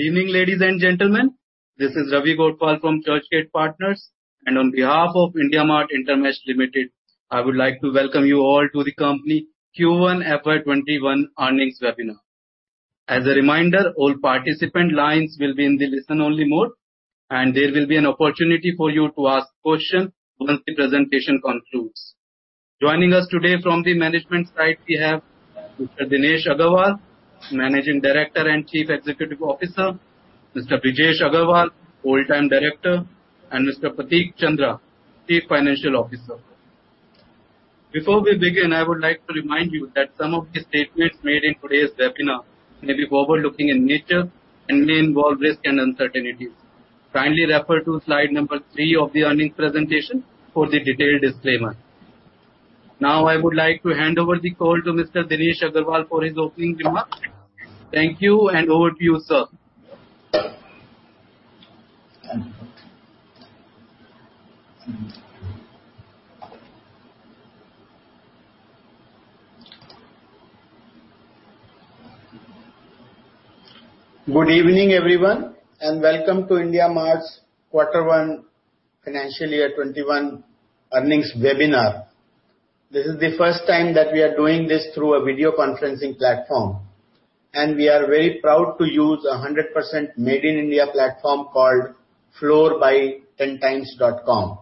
Evening, ladies and gentlemen. This is Ravi Gopinath from Churchgate Partners, and on behalf of IndiaMART InterMESH Limited, I would like to welcome you all to the company Q1 FY 2021 earnings webinar. As a reminder, all participant lines will be in the listen-only mode, and there will be an opportunity for you to ask questions once the presentation concludes. Joining us today from the management side, we have Mr. Dinesh Agarwal, Managing Director and Chief Executive Officer, Mr. Brijesh Agrawal, Whole-Time Director, and Mr. Prateek Chandra, Chief Financial Officer. Before we begin, I would like to remind you that some of the statements made in today's webinar may be forward-looking in nature and may involve risks and uncertainties. Kindly refer to slide number three of the earnings presentation for the detailed disclaimer. I would like to hand over the call to Mr. Dinesh Agarwal for his opening remarks. Thank you. Over to you, sir. Good evening, everyone, and welcome to IndiaMART's Quarter 1 FY 2021 earnings webinar. This is the first time that we are doing this through a video conferencing platform, and we are very proud to use a 100% made in India platform called Floor by 10times.com.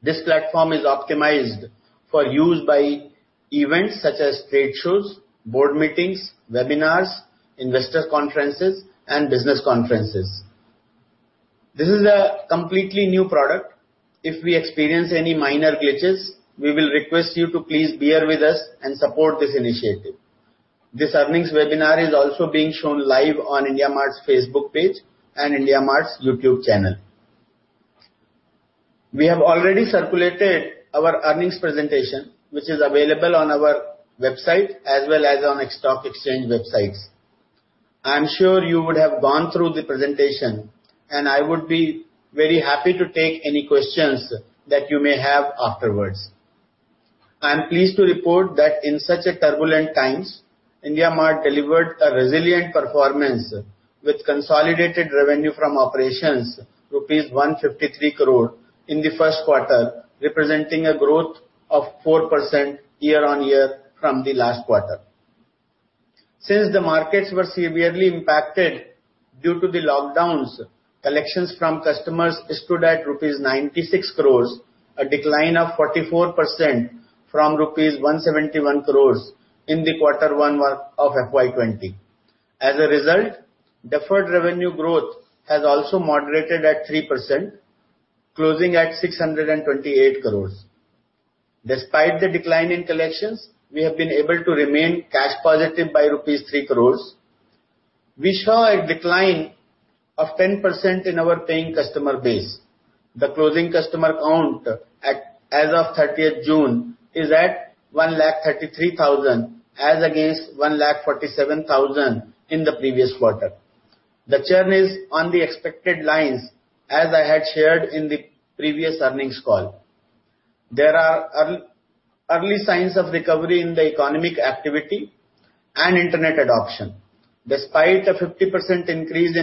This platform is optimized for use by events such as trade shows, board meetings, webinars, investor conferences, and business conferences. This is a completely new product. If we experience any minor glitches, we will request you to please bear with us and support this initiative. This earnings webinar is also being shown live on IndiaMART's Facebook page and IndiaMART's YouTube channel. We have already circulated our earnings presentation, which is available on our website as well as on stock exchange websites. I'm sure you would have gone through the presentation, and I would be very happy to take any questions that you may have afterwards. I am pleased to report that in such turbulent times, IndiaMART delivered a resilient performance with consolidated revenue from operations, rupees 153 crores in the first quarter, representing a growth of 4% year-on-year from the last quarter. Since the markets were severely impacted due to the lockdowns, collections from customers stood at rupees 96 crores, a decline of 44% from rupees 171 crores in the quarter one of FY20. As a result, deferred revenue growth has also moderated at 3%, closing at 628 crores. Despite the decline in collections, we have been able to remain cash positive by rupees 3 crores. We saw a decline of 10% in our paying customer base. The closing customer count as of 30th June is at 133,000 as against 147,000 in the previous quarter. The churn is on the expected lines, as I had shared in the previous earnings call. There are early signs of recovery in the economic activity and internet adoption. Despite a 50% decrease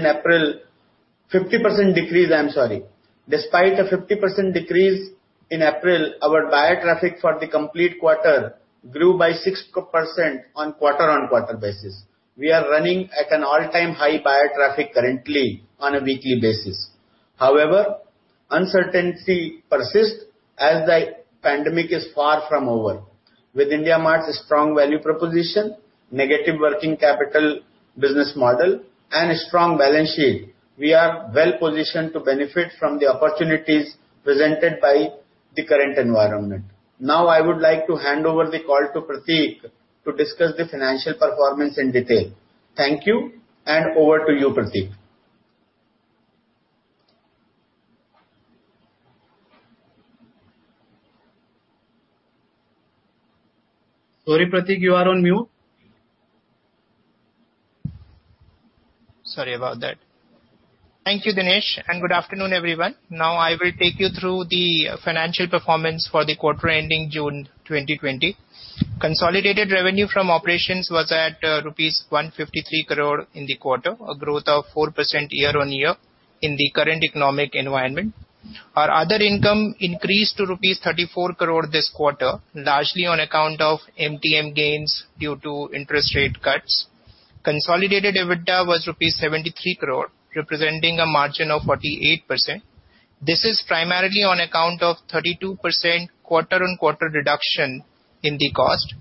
in April, our buyer traffic for the complete quarter grew by 6% on quarter-on-quarter basis. We are running at an all-time high buyer traffic currently on a weekly basis. Uncertainty persists as the pandemic is far from over. With IndiaMART's strong value proposition, negative working capital business model, and a strong balance sheet, we are well-positioned to benefit from the opportunities presented by the current environment. I would like to hand over the call to Prateek to discuss the financial performance in detail. Thank you, and over to you, Prateek. Sorry, Prateek, you are on mute. Sorry about that. Thank you, Dinesh, and good afternoon, everyone. I will take you through the financial performance for the quarter ending June 2020. Consolidated revenue from operations was at INR 153 crores in the quarter, a growth of 4% year-on-year in the current economic environment. Our other income increased to rupees 34 crores this quarter, largely on account of MTM gains due to interest rate cuts. Consolidated EBITDA was rupees 73 crores, representing a margin of 48%. This is primarily on account of 32% quarter-on-quarter reduction in the cost.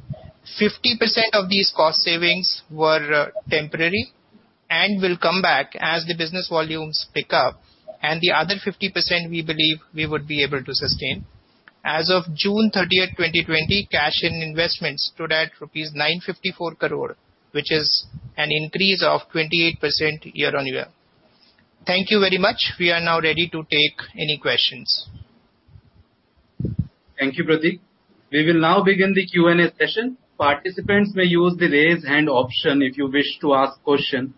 50% of these cost savings were temporary and will come back as the business volumes pick up, and the other 50%, we believe we would be able to sustain. As of June 30th, 2020, cash and investments stood at rupees 954 crores, which is an increase of 28% year-on-year. Thank you very much. We are now ready to take any questions. Thank you, Prateek. We will now begin the Q&A session. Participants may use the Raise Hand option if you wish to ask a question.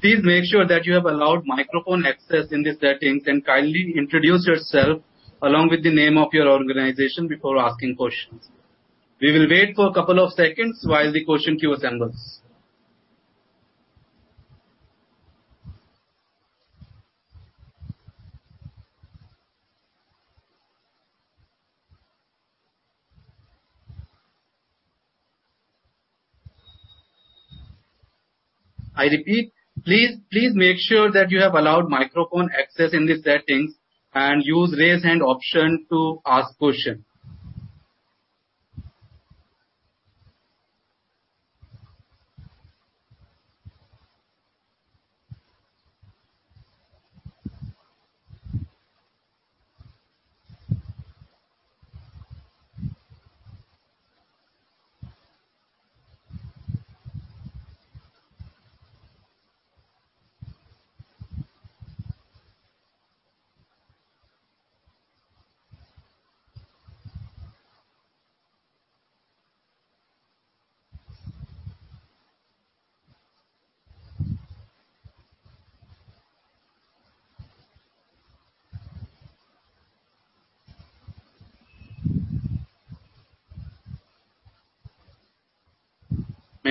Please make sure that you have allowed microphone access in the settings, and kindly introduce yourself along with the name of your organization before asking questions. We will wait for a couple of seconds while the question queue assembles. I repeat, please make sure that you have allowed microphone access in the settings and use raise hand option to ask question.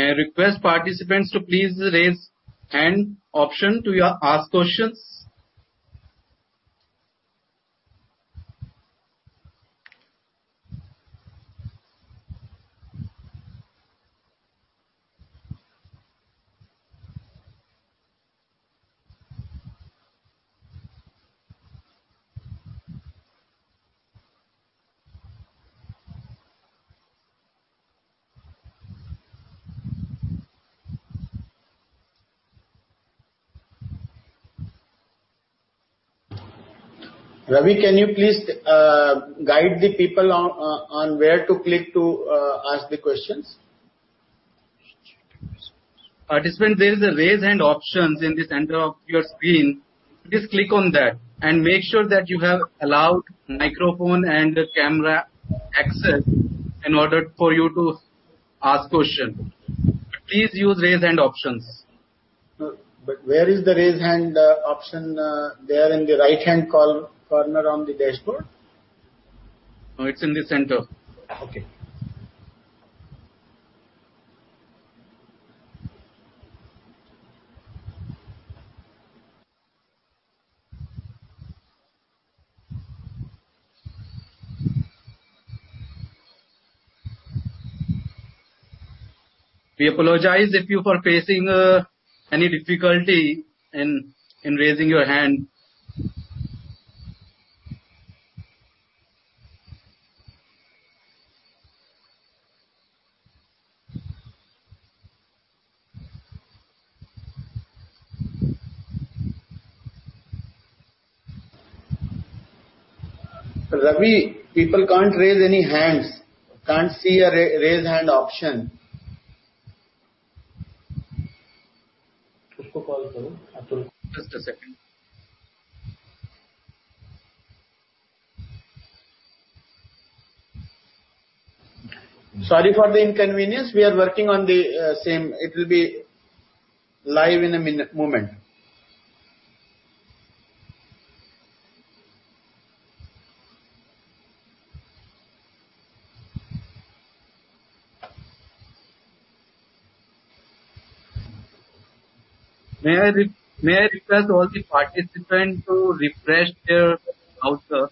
May I request participants to please the raise hand option to ask questions. Ravi, can you please guide the people on where to click to ask the questions? Participant, there is a raise hand options in the center of your screen. Please click on that and make sure that you have allowed microphone and camera access in order for you to ask question. Please use raise hand options. Where is the raise hand option? There in the right-hand corner on the dashboard? No, it's in the center. Okay. We apologize if you are facing any difficulty in raising your hand. Ravi, people can't raise any hands. Can't see a raise hand option. Just a second. Sorry for the inconvenience. We are working on the same. It will be live in a moment. May I request all the participants to refresh their browser.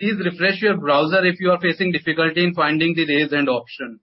Please refresh your browser if you are facing difficulty in finding the raise hand option.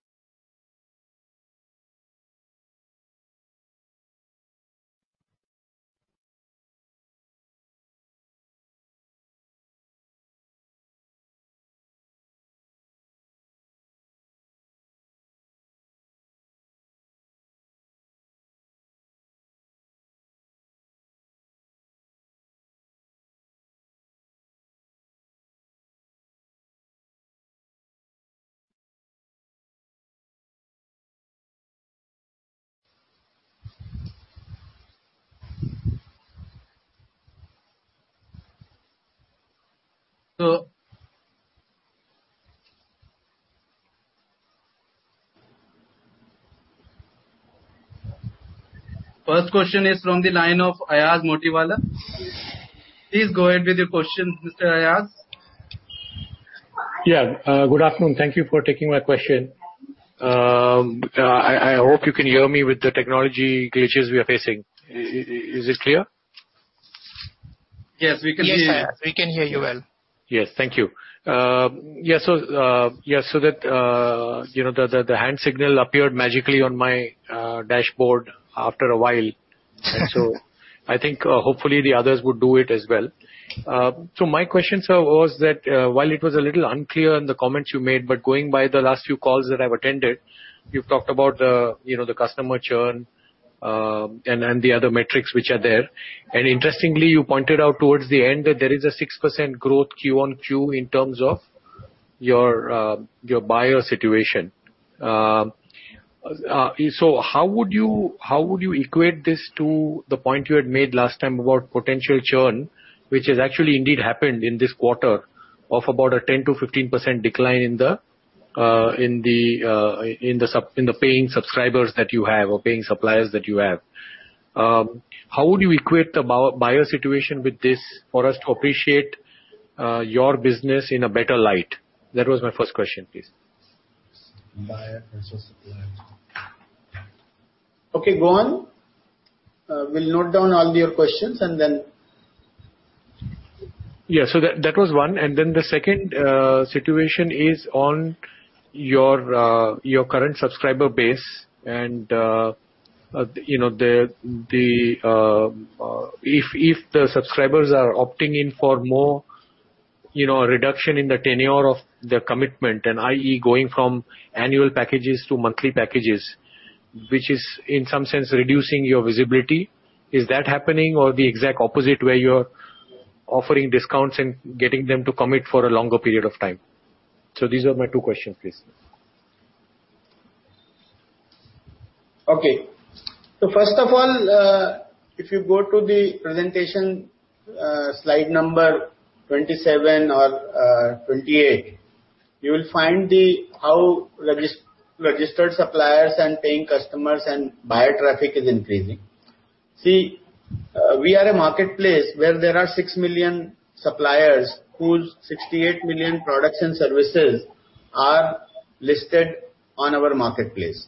First question is from the line of Ayaz Motiwala. Please go ahead with your question, Mr. Ayaz. Yeah. Good afternoon. Thank you for taking my question. I hope you can hear me with the technology glitches we are facing. Is this clear? Yes, we can hear you. Yes, Ayaz, we can hear you well. Yes. Thank you. The hand signal appeared magically on my dashboard after a while. I think hopefully the others would do it as well. My question, sir, was that, while it was a little unclear in the comments you made, but going by the last few calls that I've attended, you've talked about the customer churn. Then the other metrics which are there. Interestingly, you pointed out towards the end that there is a 6% growth QOQ in terms of your buyer situation. How would you equate this to the point you had made last time about potential churn, which has actually indeed happened in this quarter of about a 10%-15% decline in the paying subscribers that you have or paying suppliers that you have? How would you equate the buyer situation with this for us to appreciate your business in a better light? That was my first question, please. Buyer versus suppliers. Okay, go on. We'll note down all your questions, and then. Yeah. That was one, the second situation is on your current subscriber base and if the subscribers are opting in for more reduction in the tenure of their commitment, i.e., going from annual packages to monthly packages, which is in some sense reducing your visibility. Is that happening? The exact opposite, where you're offering discounts and getting them to commit for a longer period of time? These are my two questions, please. Okay. First of all, if you go to the presentation, slide number 27 or 28, you will find how registered suppliers and paying customers and buyer traffic is increasing. See, we are a marketplace where there are 6 million suppliers, whose 68 million products and services are listed on our marketplace.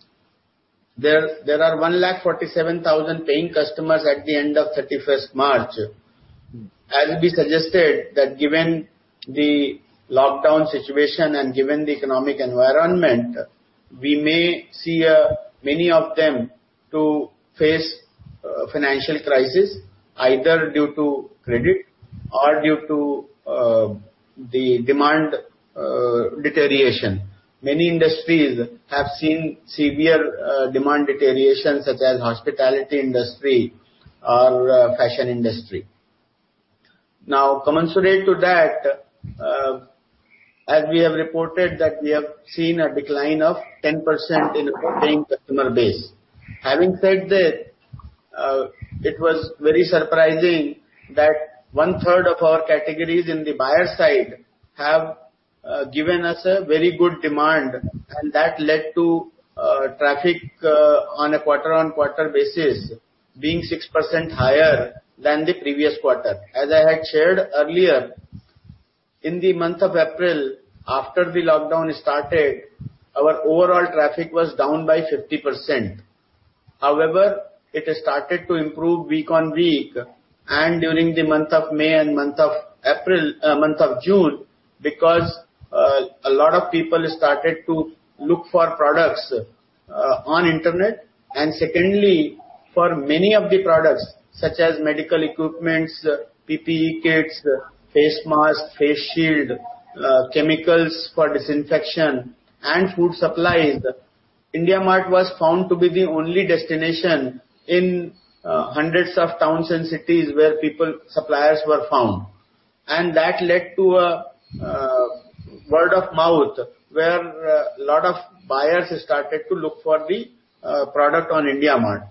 There are 147,000 paying customers at the end of 31st March. As we suggested, that given the lockdown situation and given the economic environment, we may see many of them to face financial crisis either due to credit or due to the demand deterioration. Many industries have seen severe demand deterioration, such as hospitality industry or fashion industry. Commensurate to that, as we have reported that we have seen a decline of 10% in paying customer base. Having said that, it was very surprising that one-third of our categories in the buyer side have given us a very good demand, and that led to traffic on a quarter-on-quarter basis being 6% higher than the previous quarter. As I had shared earlier, in the month of April, after the lockdown started, our overall traffic was down by 50%. However, it has started to improve week-on-week and during the month of May and month of June, because a lot of people started to look for products on internet. Secondly, for many of the products, such as medical equipments, PPE kits, face mask, face shield, chemicals for disinfection, and food supplies, IndiaMART was found to be the only destination in hundreds of towns and cities where suppliers were found. That led to a word-of-mouth where a lot of buyers started to look for the product on IndiaMART.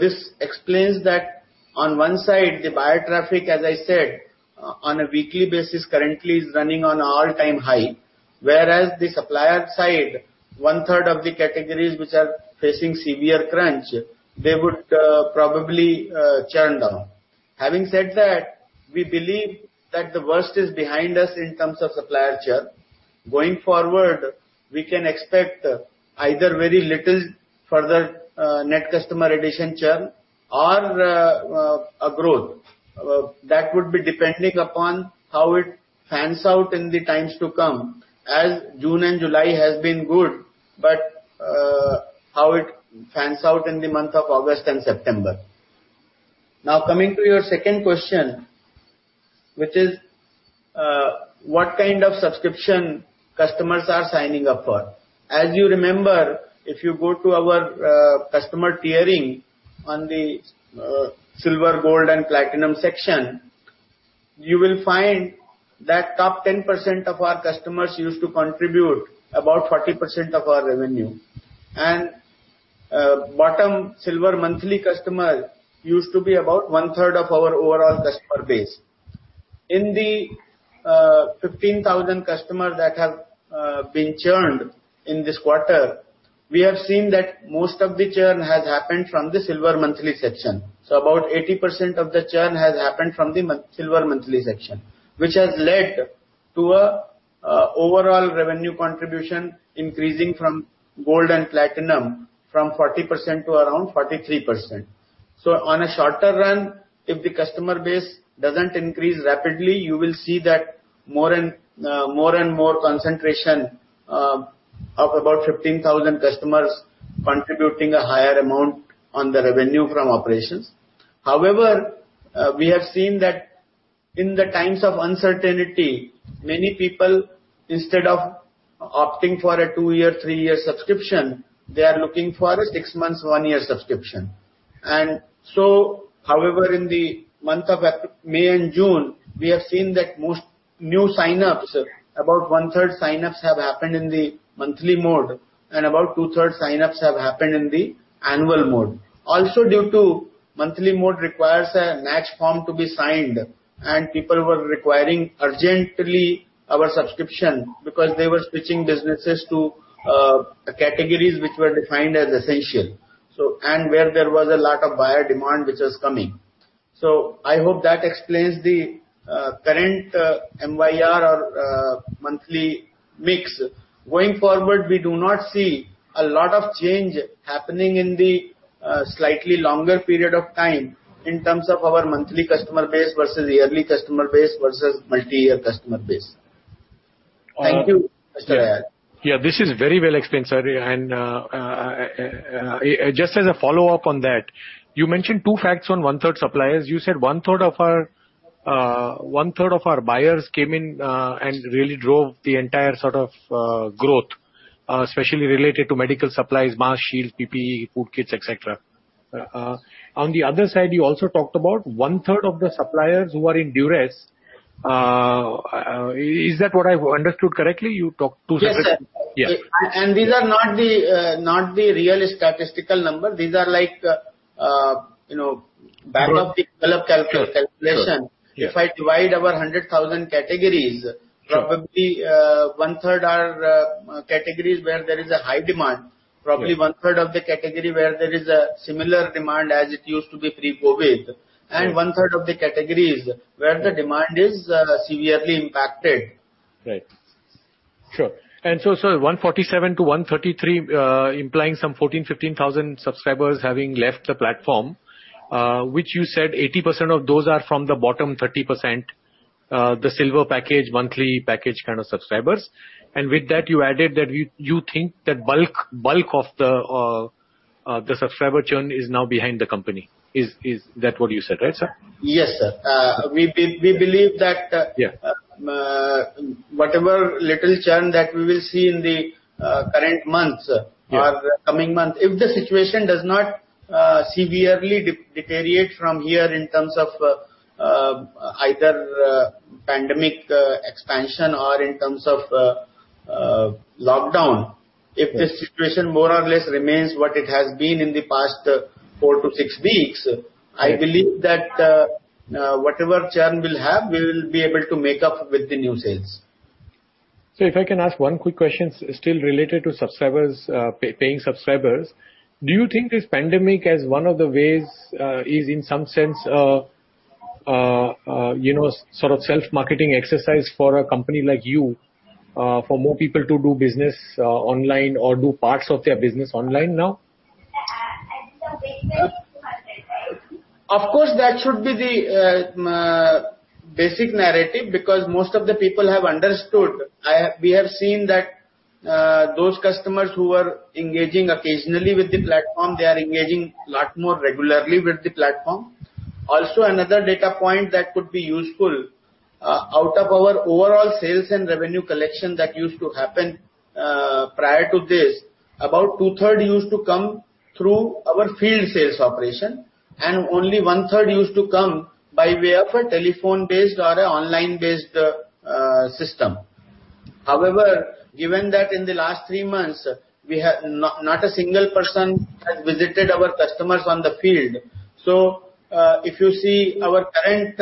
This explains that on one side, the buyer traffic, as I said, on a weekly basis currently is running on all-time high. The supplier side, one-third of the categories which are facing severe crunch, they would probably churn down. Having said that, we believe that the worst is behind us in terms of supplier churn. Going forward, we can expect either very little further net customer addition churn or a growth. That would be depending upon how it pans out in the times to come, as June and July has been good, but how it pans out in the month of August and September. Coming to your second question, which is what kind of subscription customers are signing up for? As you remember, if you go to our customer tiering on the silver, gold, and platinum section, you will find that top 10% of our customers used to contribute about 40% of our revenue. Bottom silver monthly customer used to be about one-third of our overall customer base. In the 15,000 customers that have been churned in this quarter, we have seen that most of the churn has happened from the silver monthly section. About 80% of the churn has happened from the silver monthly section, which has led to a overall revenue contribution increasing from gold and platinum from 40% to around 43%. On a shorter run, if the customer base doesn't increase rapidly, you will see that more and more concentration of about 15,000 customers contributing a higher amount on the revenue from operations. However, we have seen that in the times of uncertainty, many people, instead of opting for a two-year, three-year subscription, they are looking for a six months, one-year subscription. However, in the month of May and June, we have seen that most new signups, about one-third signups have happened in the monthly mode, and about two-third signups have happened in the annual mode. Also, due to monthly mode requires a NACH form to be signed, and people were requiring urgently our subscription because they were switching businesses to categories which were defined as essential, and where there was a lot of buyer demand which was coming. I hope that explains the current MYR or monthly mix. Going forward, we do not see a lot of change happening in the slightly longer period of time in terms of our monthly customer base versus yearly customer base versus multi-year customer base. Thank you, Ayaz. Yeah. This is very well explained, sir. Just as a follow-up on that, you mentioned two facts on one-third suppliers. You said one-third of our buyers came in and really drove the entire sort of growth, especially related to medical supplies, masks, shields, PPE, food kits, et cetera. On the other side, you also talked about one-third of the suppliers who are in duress. Is that what I've understood correctly? Yes, sir. Yeah. These are not the real statistical number. These are back of the envelope calculation. Sure. Yeah. If I divide our 100,000 categories. Sure probably one-third are categories where there is a high demand, probably one-third of the category where there is a similar demand as it used to be pre-COVID, and one-third of the categories where the demand is severely impacted. Right. Sure. So, sir, 147-133, implying some 14,000, 15,000 subscribers having left the platform, which you said 80% of those are from the bottom 30%, the silver package, monthly package kind of subscribers. With that, you added that you think that bulk of the subscriber churn is now behind the company. Is that what you said, right, sir? Yes, sir. We believe. Yeah whatever little churn that we will see in the current months. Yeah Coming months, if the situation does not severely deteriorate from here in terms of either pandemic expansion or in terms of lockdown. If the situation more or less remains what it has been in the past four to six weeks, I believe that whatever churn we'll have, we will be able to make up with the new sales. If I can ask one quick question still related to paying subscribers. Do you think this pandemic as one of the ways is in some sense a sort of self-marketing exercise for a company like you for more people to do business online or do parts of their business online now? Of course, that should be the basic narrative because most of the people have understood. We have seen that those customers who were engaging occasionally with the platform, they are engaging a lot more regularly with the platform. Also, another data point that could be useful, out of our overall sales and revenue collection that used to happen prior to this, about two-third used to come through our field sales operation, and only one-third used to come by way of a telephone-based or an online-based system. Given that in the last three months, not a single person has visited our customers on the field. If you see our current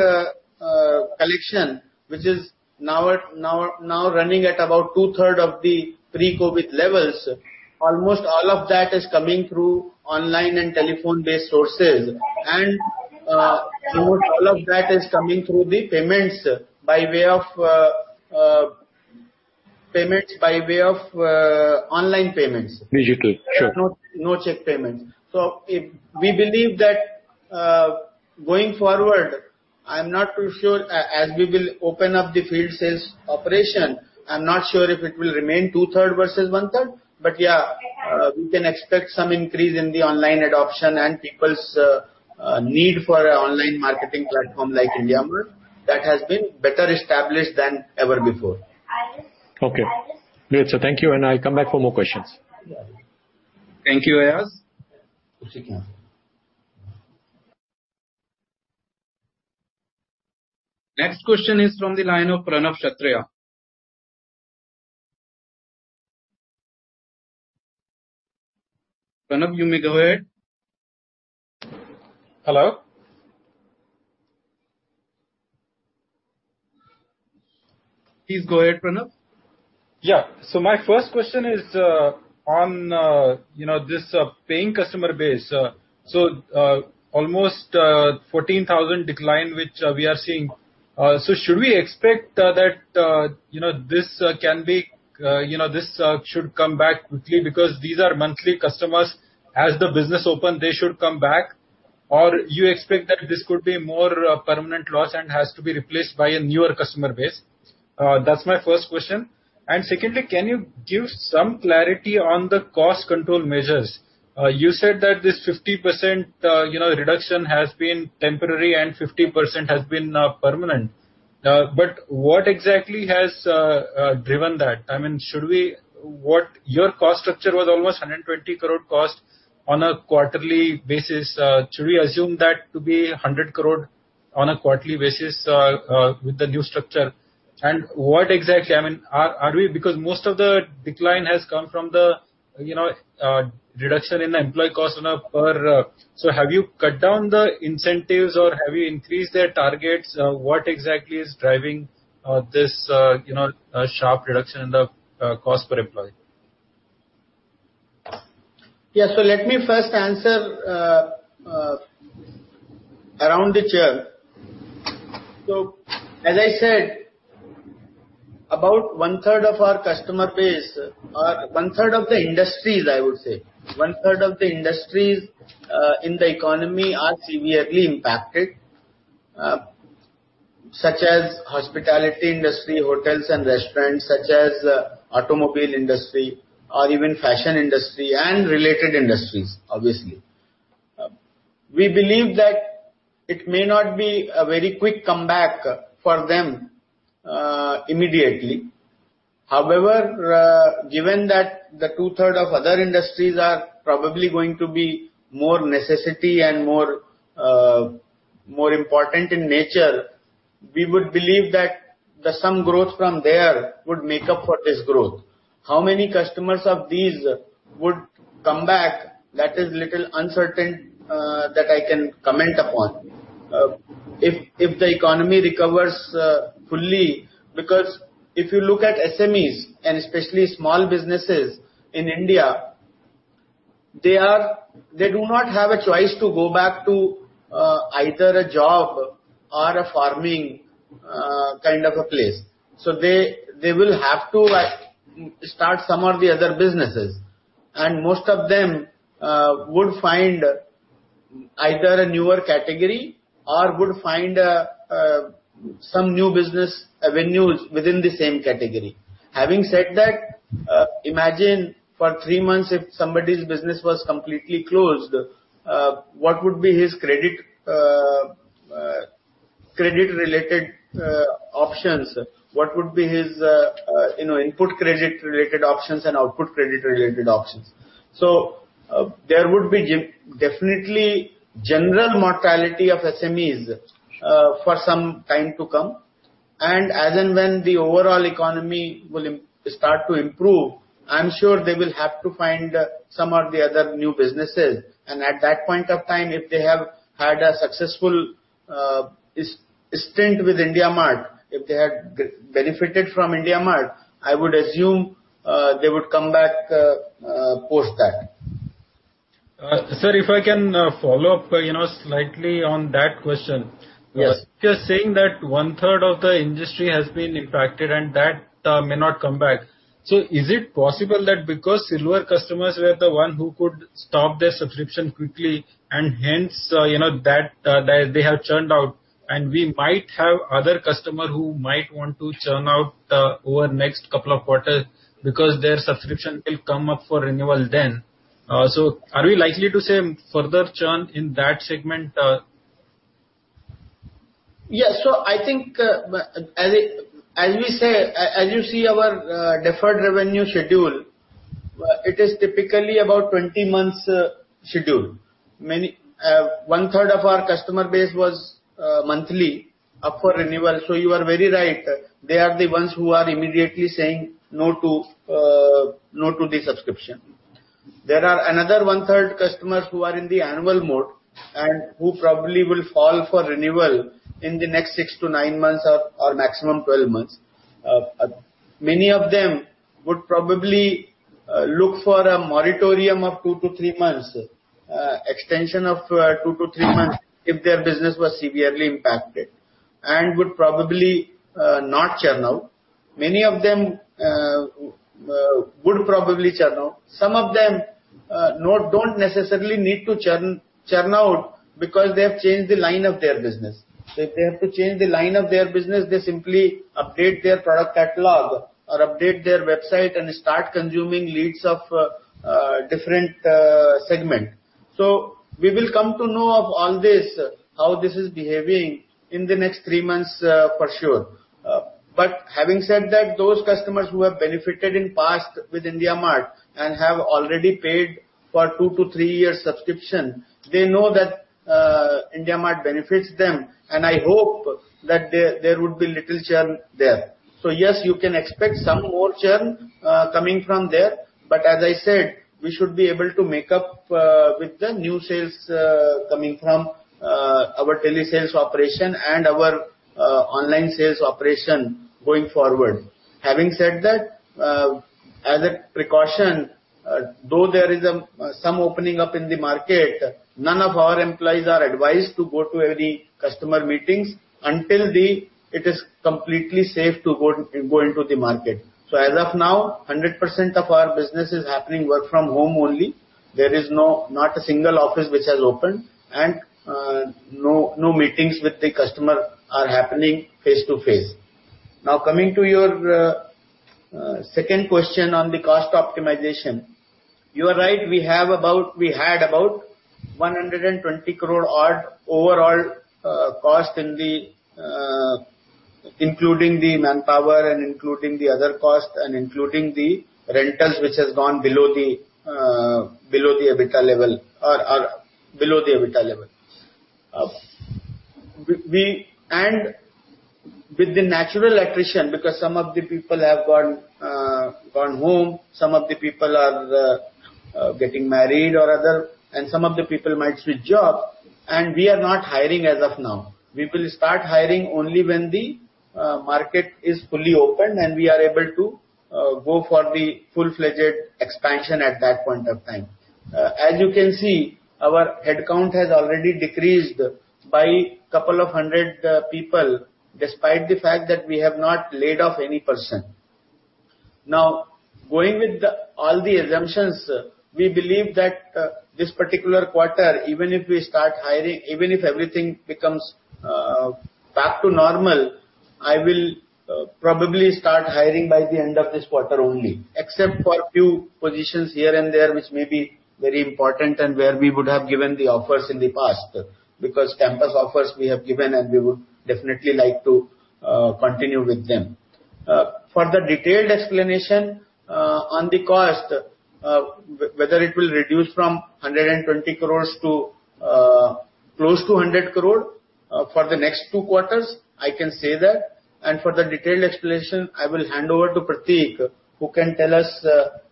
collection, which is now running at about two-third of the pre-COVID levels, almost all of that is coming through online and telephone-based sources. Almost all of that is coming through the payments by way of online payments. Digital. Sure. No check payments. We believe that going forward, as we will open up the field sales operation, I'm not sure if it will remain two-third versus one-third, but yeah, we can expect some increase in the online adoption and people's need for an online marketing platform like IndiaMART that has been better established than ever before. Okay. Great, sir. Thank you. I'll come back for more questions. Thank you, Ayaz. Next question is from the line of Pranav Chattha. Pranav, you may go ahead. Hello? Please go ahead, Pranav. Yeah. My first question is on this paying customer base. Almost 14,000 decline, which we are seeing. Should we expect that this should come back quickly because these are monthly customers, as the business open, they should come back? You expect that this could be more permanent loss and has to be replaced by a newer customer base? That's my first question. Secondly, can you give some clarity on the cost control measures? You said that this 50% reduction has been temporary and 50% has been permanent. What exactly has driven that? Your cost structure was almost 120 crore cost on a quarterly basis. Should we assume that to be 100 crore on a quarterly basis with the new structure? What exactly, because most of the decline has come from the reduction in the employee cost. Have you cut down the incentives or have you increased their targets? What exactly is driving this sharp reduction in the cost per employee? Yeah. Let me first answer around the churn. As I said, about one third of our customer base, or one third of the industries, I would say, one third of the industries in the economy are severely impacted, such as hospitality industry, hotels and restaurants, such as automobile industry or even fashion industry and related industries, obviously. We believe that it may not be a very quick comeback for them immediately. However, given that the two-third of other industries are probably going to be more necessity and more important in nature, we would believe that the some growth from there would make up for this growth. How many customers of these would come back, that is little uncertain that I can comment upon. If the economy recovers fully, because if you look at SMEs and especially small businesses in India, they do not have a choice to go back to either a job or a farming kind of a place. They will have to start some of the other businesses, and most of them would find either a newer category or would find some new business avenues within the same category. Having said that, imagine for three months, if somebody's business was completely closed, what would be his credit-related options? What would be his input credit-related options and output credit-related options? There would be definitely general mortality of SMEs for some time to come. As and when the overall economy will start to improve, I'm sure they will have to find some of the other new businesses. At that point of time, if they have had a successful stint with IndiaMART, if they had benefited from IndiaMART, I would assume they would come back post that. Sir, if I can follow up slightly on that question. Yes. Just saying that one third of the industry has been impacted and that may not come back. Is it possible that because silver customers were the one who could stop their subscription quickly and hence they have churned out, and we might have other customer who might want to churn out over next couple of quarters because their subscription will come up for renewal then. Are we likely to see further churn in that segment? Yeah. I think as you see our deferred revenue schedule, it is typically about 20 months schedule. One third of our customer base was monthly up for renewal. You are very right. They are the ones who are immediately saying no to the subscription. There are another one third customers who are in the annual mode and who probably will fall for renewal in the next 6-9 months or maximum 12 months. Many of them would probably look for a moratorium of 2-3 months, extension of 2-3 months if their business was severely impacted and would probably not churn out. Many of them would probably churn out. Some of them don't necessarily need to churn out because they have changed the line of their business. If they have to change the line of their business, they simply update their product catalog or update their website and start consuming leads of different segment. We will come to know of all this, how this is behaving in the next three months for sure. Having said that, those customers who have benefited in past with IndiaMART and have already paid for two to three-year subscription, they know that IndiaMART benefits them, and I hope that there would be little churn there. Yes, you can expect some more churn coming from there, but as I said, we should be able to make up with the new sales coming from our telesales operation and our online sales operation going forward. Having said that, as a precaution, though there is some opening up in the market, none of our employees are advised to go to any customer meetings until it is completely safe to go into the market. As of now, 100% of our business is happening work from home only. There is not a single office which has opened, and no meetings with the customer are happening face-to-face. Coming to your second question on the cost optimization. You are right, we had about 120 crore odd overall cost including the manpower and including the other cost and including the rentals which has gone below the EBITDA level. With the natural attrition, because some of the people have gone home, some of the people are getting married or other, and some of the people might switch job, and we are not hiring as of now. We will start hiring only when the market is fully open and we are able to go for the full-fledged expansion at that point of time. As you can see, our headcount has already decreased by 200 people despite the fact that we have not laid off any person. Now, going with all the assumptions, we believe that this particular quarter, even if everything becomes back to normal, I will probably start hiring by the end of this quarter only. Except for few positions here and there which may be very important and where we would have given the offers in the past. Because campus offers we have given and we would definitely like to continue with them. For the detailed explanation on the cost, whether it will reduce from 120 crore to close to 100 crore for the next two quarters, I can say that. For the detailed explanation, I will hand over to Prateek who can tell us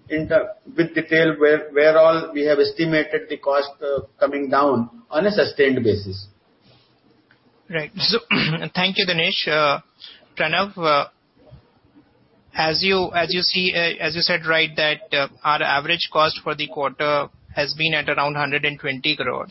with detail where all we have estimated the cost coming down on a sustained basis. Right. Thank you, Dinesh. Pranav, as you said right that our average cost for the quarter has been at around 120 crore,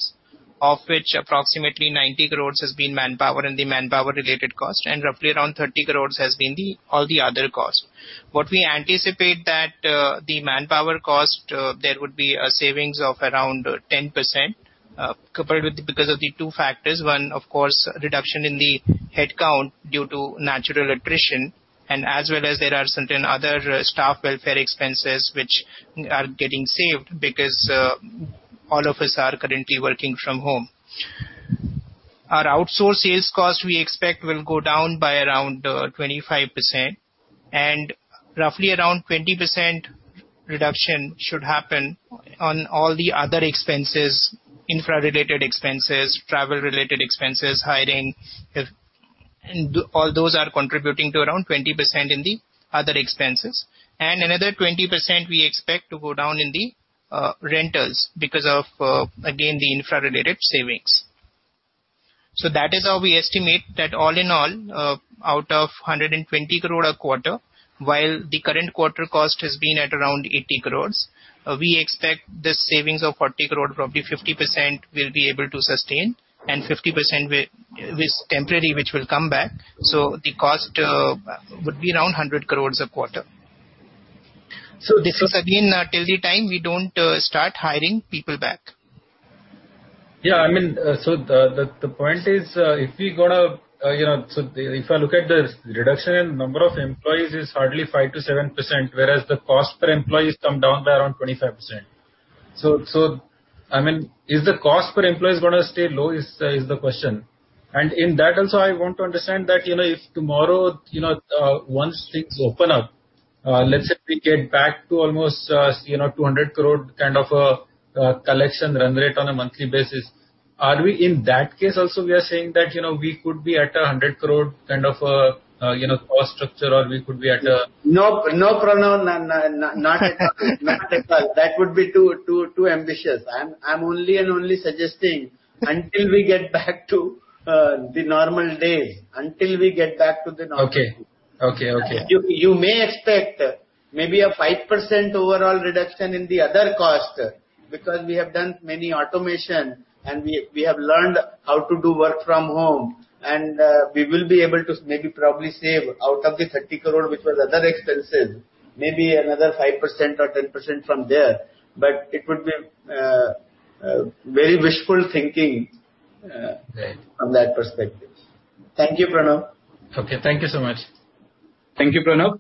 of which approximately 90 crore has been manpower and the manpower-related cost and roughly around 30 crore has been all the other costs. What we anticipate that the manpower cost, there would be a savings of around 10% because of the two factors. One, of course, reduction in the headcount due to natural attrition and as well as there are certain other staff welfare expenses which are getting saved because all of us are currently working from home. Our outsource sales cost we expect will go down by around 25%. Roughly around 20% reduction should happen on all the other expenses, infra-related expenses, travel-related expenses, hiring. All those are contributing to around 20% in the other expenses. Another 20% we expect to go down in the rentals because of, again, the infra-related savings. That is how we estimate that all in all, out of 120 crore a quarter, while the current quarter cost has been at around 80 crore, we expect the savings of 40 crore probably 50% we'll be able to sustain and 50% is temporary which will come back. The cost would be around 100 crore a quarter. This is again till the time we don't start hiring people back. Yeah. The point is if I look at the reduction in number of employees is hardly 5%-7%, whereas the cost per employees come down by around 25%. Is the cost per employee is going to stay low is the question. In that also I want to understand that if tomorrow, once things open up, let's say if we get back to almost 200 crore kind of a collection run rate on a monthly basis. In that case also we are saying that we could be at 100 crore kind of cost structure. No, Pranav. Not at all. Not at all. That would be too ambitious. I'm only and only suggesting until we get back to the normal days. Okay. You may expect maybe a 5% overall reduction in the other cost because we have done many automation and we have learned how to do work from home and we will be able to maybe probably save out of the 30 crore which was other expenses, maybe another 5% or 10% from there. It would be very wishful thinking. Right from that perspective. Thank you, Pranav. Okay. Thank you so much. Thank you, Pranav.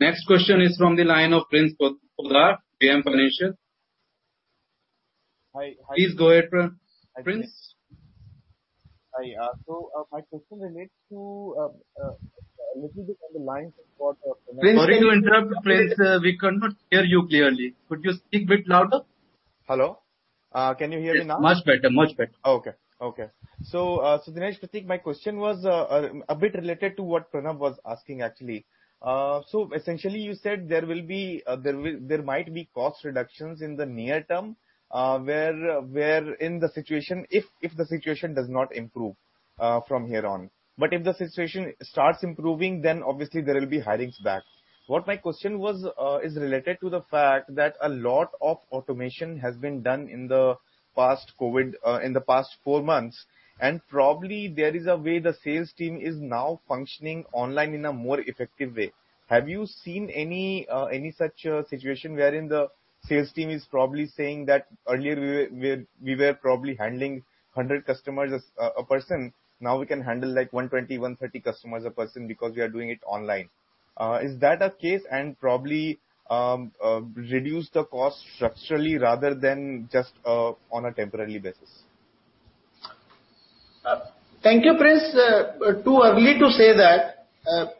Next question is from the line of Prince Poddar, JM Financial. Hi. Please go ahead, Prince. Hi. My question relates to a little bit on the lines of. Prince, sorry to interrupt. Prince, we cannot hear you clearly. Could you speak bit louder? Hello. Can you hear me now? Yes, much better. Okay. Dinesh Prateek, my question was a bit related to what Pranav was asking, actually. Essentially, you said there might be cost reductions in the near term, if the situation does not improve from here on. If the situation starts improving, then obviously there will be hirings back. What my question was, is related to the fact that a lot of automation has been done in the past four months, and probably there is a way the sales team is now functioning online in a more effective way. Have you seen any such situation wherein the sales team is probably saying that earlier we were probably handling 100 customers a person, now we can handle 120, 130 customers a person because we are doing it online. Is that a case? Probably reduce the cost structurally rather than just on a temporary basis. Thank you, Prince. Too early to say that.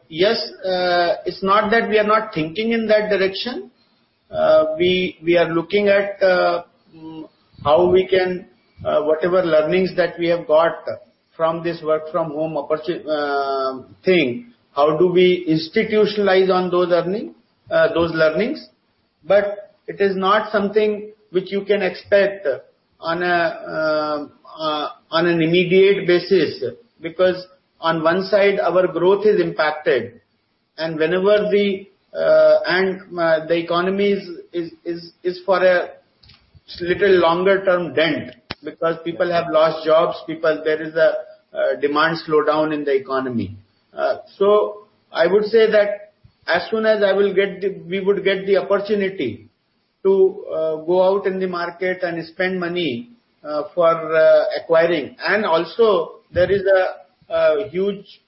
It's not that we are not thinking in that direction. We are looking at how we can, whatever learnings that we have got from this work from home thing, how do we institutionalize on those learnings. It is not something which you can expect on an immediate basis, because on one side, our growth is impacted. The economy is for a little longer term dent because people have lost jobs, because there is a demand slowdown in the economy. I would say that as soon as we would get the opportunity to go out in the market and spend money for acquiring, and also there is a huge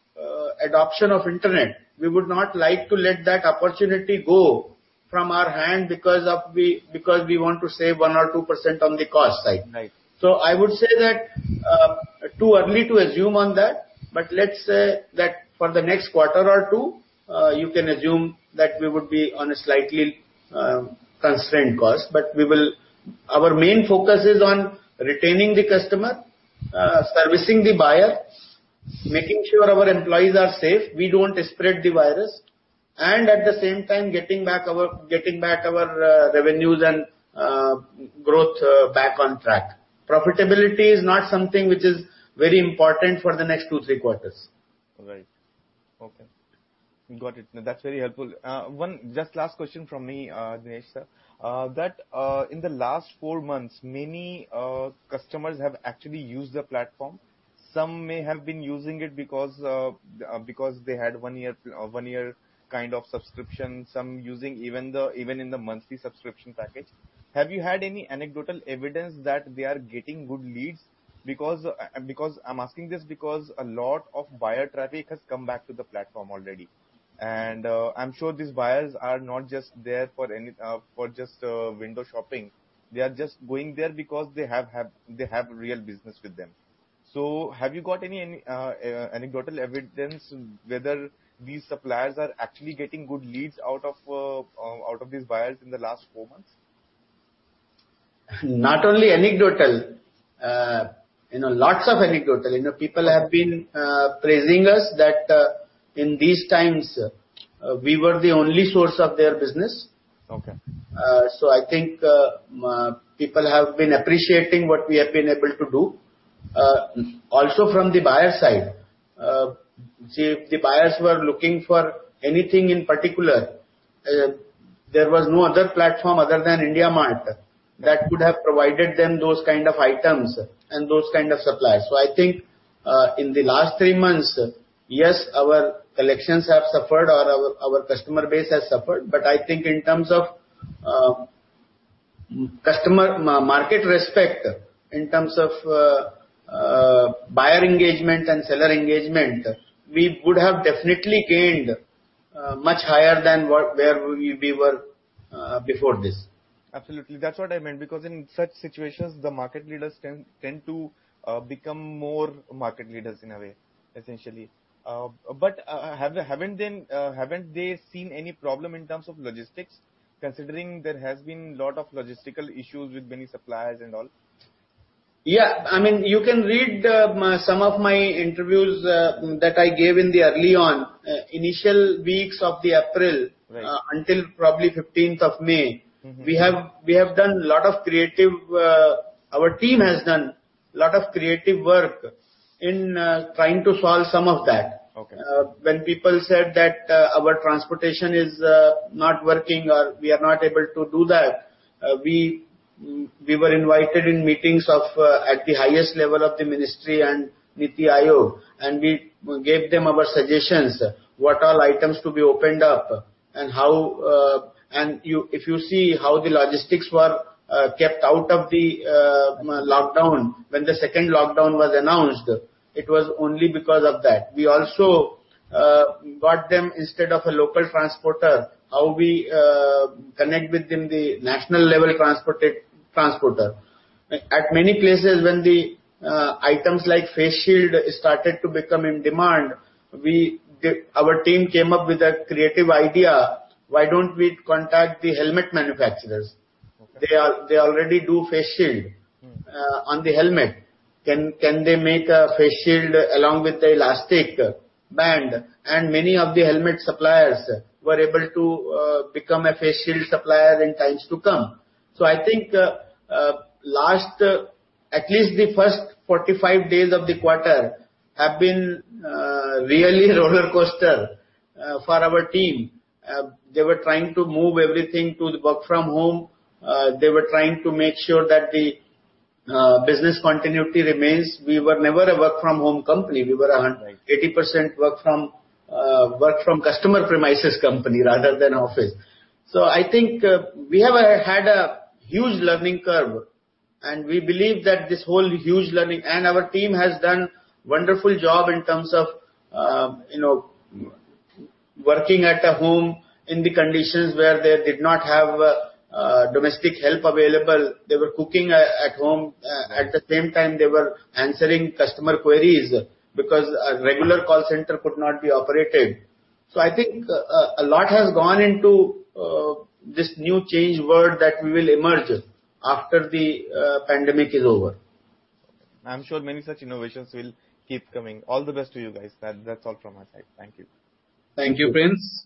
adoption of internet, we would not like to let that opportunity go from our hand because we want to save 1% or 2% on the cost side. Right. I would say that too early to assume on that, but let's say that for the next quarter or two, you can assume that we would be on a slightly constrained cost. Our main focus is on retaining the customer, servicing the buyer, making sure our employees are safe, we don't spread the virus, and at the same time, getting back our revenues and growth back on track. Profitability is not something which is very important for the next two, three quarters. Right. Okay. Got it. That's very helpful. Just last question from me, Dinesh sir. In the last four months, many customers have actually used the platform. Some may have been using it because they had one year kind of subscription, some using even in the monthly subscription package. Have you had any anecdotal evidence that they are getting good leads? I'm asking this because a lot of buyer traffic has come back to the platform already, I'm sure these buyers are not just there for just window shopping. They are just going there because they have real business with them. Have you got any anecdotal evidence whether these suppliers are actually getting good leads out of these buyers in the last four months? Not only anecdotal, lots of anecdotal. People have been praising us that in these times, we were the only source of their business. Okay. I think people have been appreciating what we have been able to do. Also from the buyer side. If the buyers were looking for anything in particular, there was no other platform other than IndiaMART that could have provided them those kind of items and those kind of suppliers. I think, in the last three months, yes, our collections have suffered or our customer base has suffered, but I think in terms of market respect, in terms of buyer engagement and seller engagement, we would have definitely gained much higher than where we were before this. Absolutely. That's what I meant, because in such situations, the market leaders tend to become more market leaders in a way, essentially. Haven't they seen any problem in terms of logistics, considering there has been lot of logistical issues with many suppliers and all? Yeah. You can read some of my interviews that I gave in the early on, initial weeks of April. Right until probably 15th of May. Our team has done a lot of creative work in trying to solve some of that. Okay. When people said that our transportation is not working or we are not able to do that, we were invited in meetings at the highest level of the ministry and NITI Aayog, we gave them our suggestions, what all items to be opened up. If you see how the logistics were kept out of the lockdown when the second lockdown was announced, it was only because of that. We also got them, instead of a local transporter, how we connect with the national level transporter. At many places, when the items like face shield started to become in demand, our team came up with a creative idea, why don't we contact the helmet manufacturers? Okay. They already do face shield. on the helmet. Can they make a face shield along with the elastic band? Many of the helmet suppliers were able to become a face shield supplier in times to come. I think at least the first 45 days of the quarter have been really a rollercoaster for our team. They were trying to move everything to work from home. They were trying to make sure that the business continuity remains. We were never a work from home company. Right 80% work from customer premises company rather than office. I think we have had a huge learning curve, and we believe that this whole huge learning And our team has done a wonderful job in terms of working at home in the conditions where they did not have domestic help available. They were cooking at home. At the same time, they were answering customer queries because a regular call center could not be operated. I think a lot has gone into this new changed world that we will emerge after the pandemic is over. I'm sure many such innovations will keep coming. All the best to you guys. That's all from my side. Thank you. Thank you, Prince.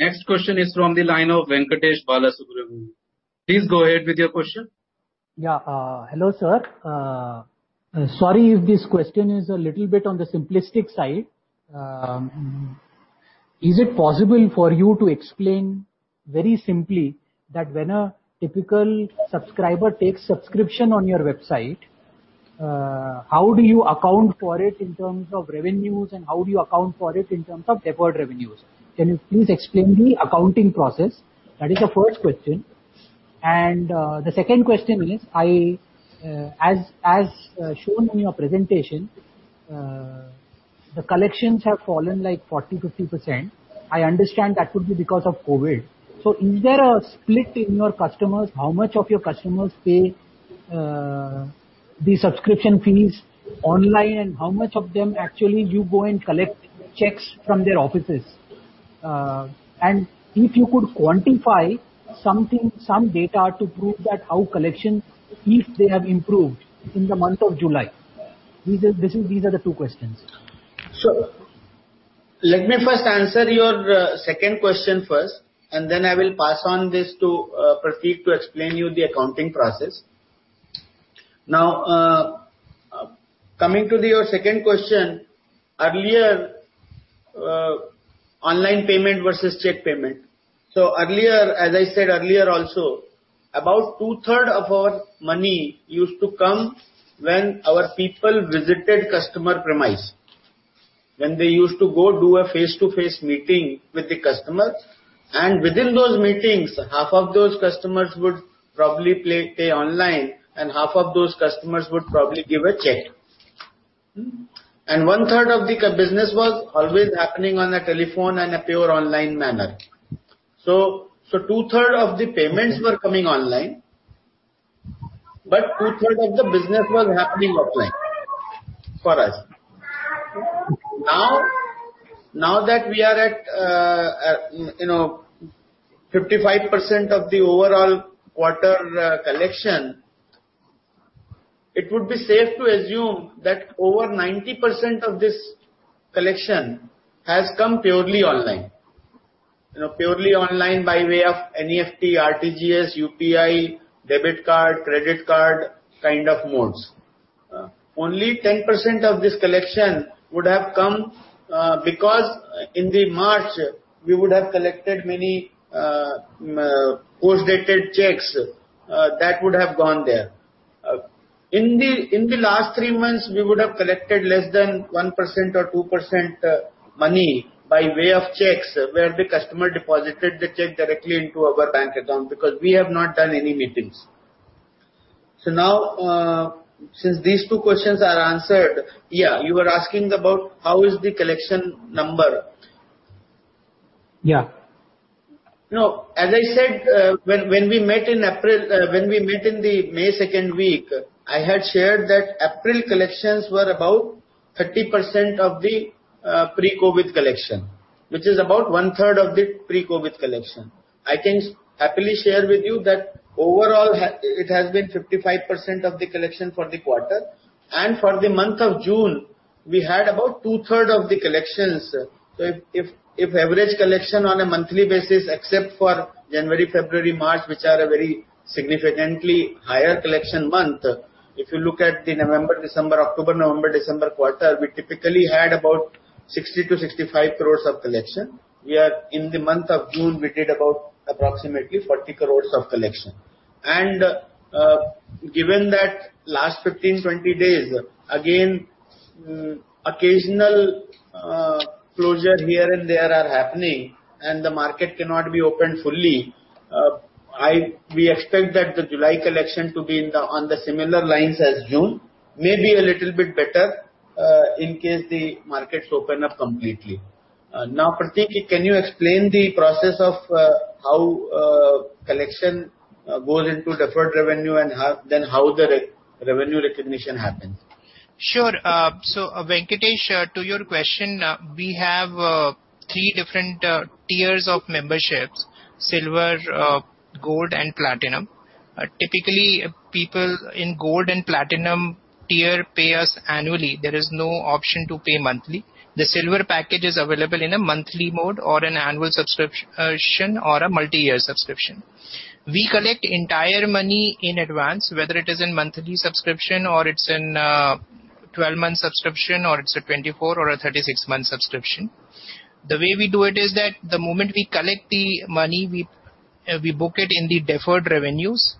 Next question is from the line of Venkatesh Balasubramaniam. Please go ahead with your question. Yeah. Hello, sir. Sorry if this question is a little bit on the simplistic side. Is it possible for you to explain very simply that when a typical subscriber takes subscription on your website, how do you account for it in terms of revenues, and how do you account for it in terms of deferred revenues? Can you please explain the accounting process? That is the first question. The second question is, as shown in your presentation, the collections have fallen like 40%-50%. I understand that would be because of COVID. Is there a split in your customers? How much of your customers pay the subscription fees online, and how much of them actually you go and collect checks from their offices? If you could quantify some data to prove that how collection, if they have improved in the month of July. These are the two questions. Let me first answer your second question first, and then I will pass on this to Prateek to explain you the accounting process. Now, coming to your second question. Earlier, online payment versus check payment. As I said earlier also, about two-third of our money used to come when our people visited customer premise. When they used to go do a face-to-face meeting with the customer. And within those meetings, half of those customers would probably pay online, and half of those customers would probably give a check. One-third of the business was always happening on a telephone and a pure online manner. Two-third of the payments were coming online, but two-third of the business was happening offline for us. Now that we are at 55% of the overall quarter collection, it would be safe to assume that over 90% of this collection has come purely online. Purely online by way of NEFT, RTGS, UPI, debit card, credit card kind of modes. Only 10% of this collection would have come because in the March we would have collected many post-dated checks that would have gone there. In the last three months, we would have collected less than 1% or 2% money by way of checks where the customer deposited the check directly into our bank account because we have not done any meetings. Now, since these two questions are answered, yeah, you were asking about how is the collection number? Yeah. As I said when we met in the May second week, I had shared that April collections were about 30% of the pre-COVID collection, which is about one-third of the pre-COVID collection. I can happily share with you that overall it has been 55% of the collection for the quarter. For the month of June, we had about two-third of the collections. If average collection on a monthly basis except for January, February, March, which are a very significantly higher collection month, if you look at the October, November, December quarter, we typically had about 60 crore to 65 crore of collection. In the month of June, we did about approximately 40 crore of collection. Given that last 15, 20 days, again, occasional closure here and there are happening and the market cannot be opened fully, we expect that the July collection to be on the similar lines as June, maybe a little bit better, in case the markets open up completely. Now, Prateek, can you explain the process of how collection goes into deferred revenue and then how the revenue recognition happens? Sure. Venkatesh, to your question, we have three different tiers of memberships: silver, gold and platinum. Typically, people in gold and platinum tier pay us annually. There is no option to pay monthly. The silver package is available in a monthly mode or an annual subscription or a multi-year subscription. We collect entire money in advance, whether it is in monthly subscription or it's in a 12-month subscription or it's a 24 or a 36-month subscription. The way we do it is that the moment we collect the money, we book it in the deferred revenues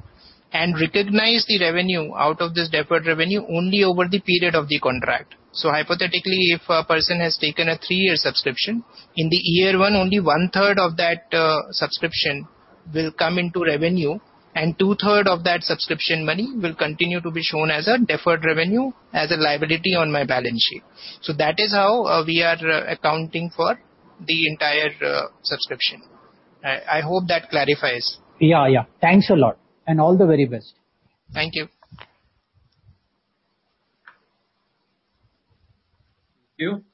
and recognize the revenue out of this deferred revenue only over the period of the contract. Hypothetically, if a person has taken a three-year subscription, in the year one, only one third of that subscription will come into revenue and two third of that subscription money will continue to be shown as a deferred revenue as a liability on my balance sheet. That is how we are accounting for the entire subscription. I hope that clarifies. Yeah. Thanks a lot and all the very best. Thank you. Thank you.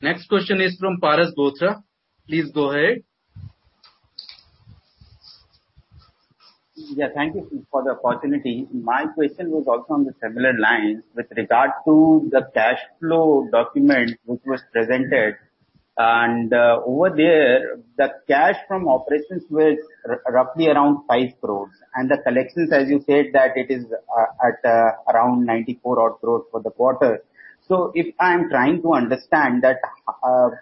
Next question is from Paras Gothra. Please go ahead. Thank you for the opportunity. My question was also on the similar lines with regard to the cash flow document which was presented. Over there, the cash from operations was roughly around 5 crores. The collections, as you said, that it is at around 94 odd crores for the quarter. If I'm trying to understand that,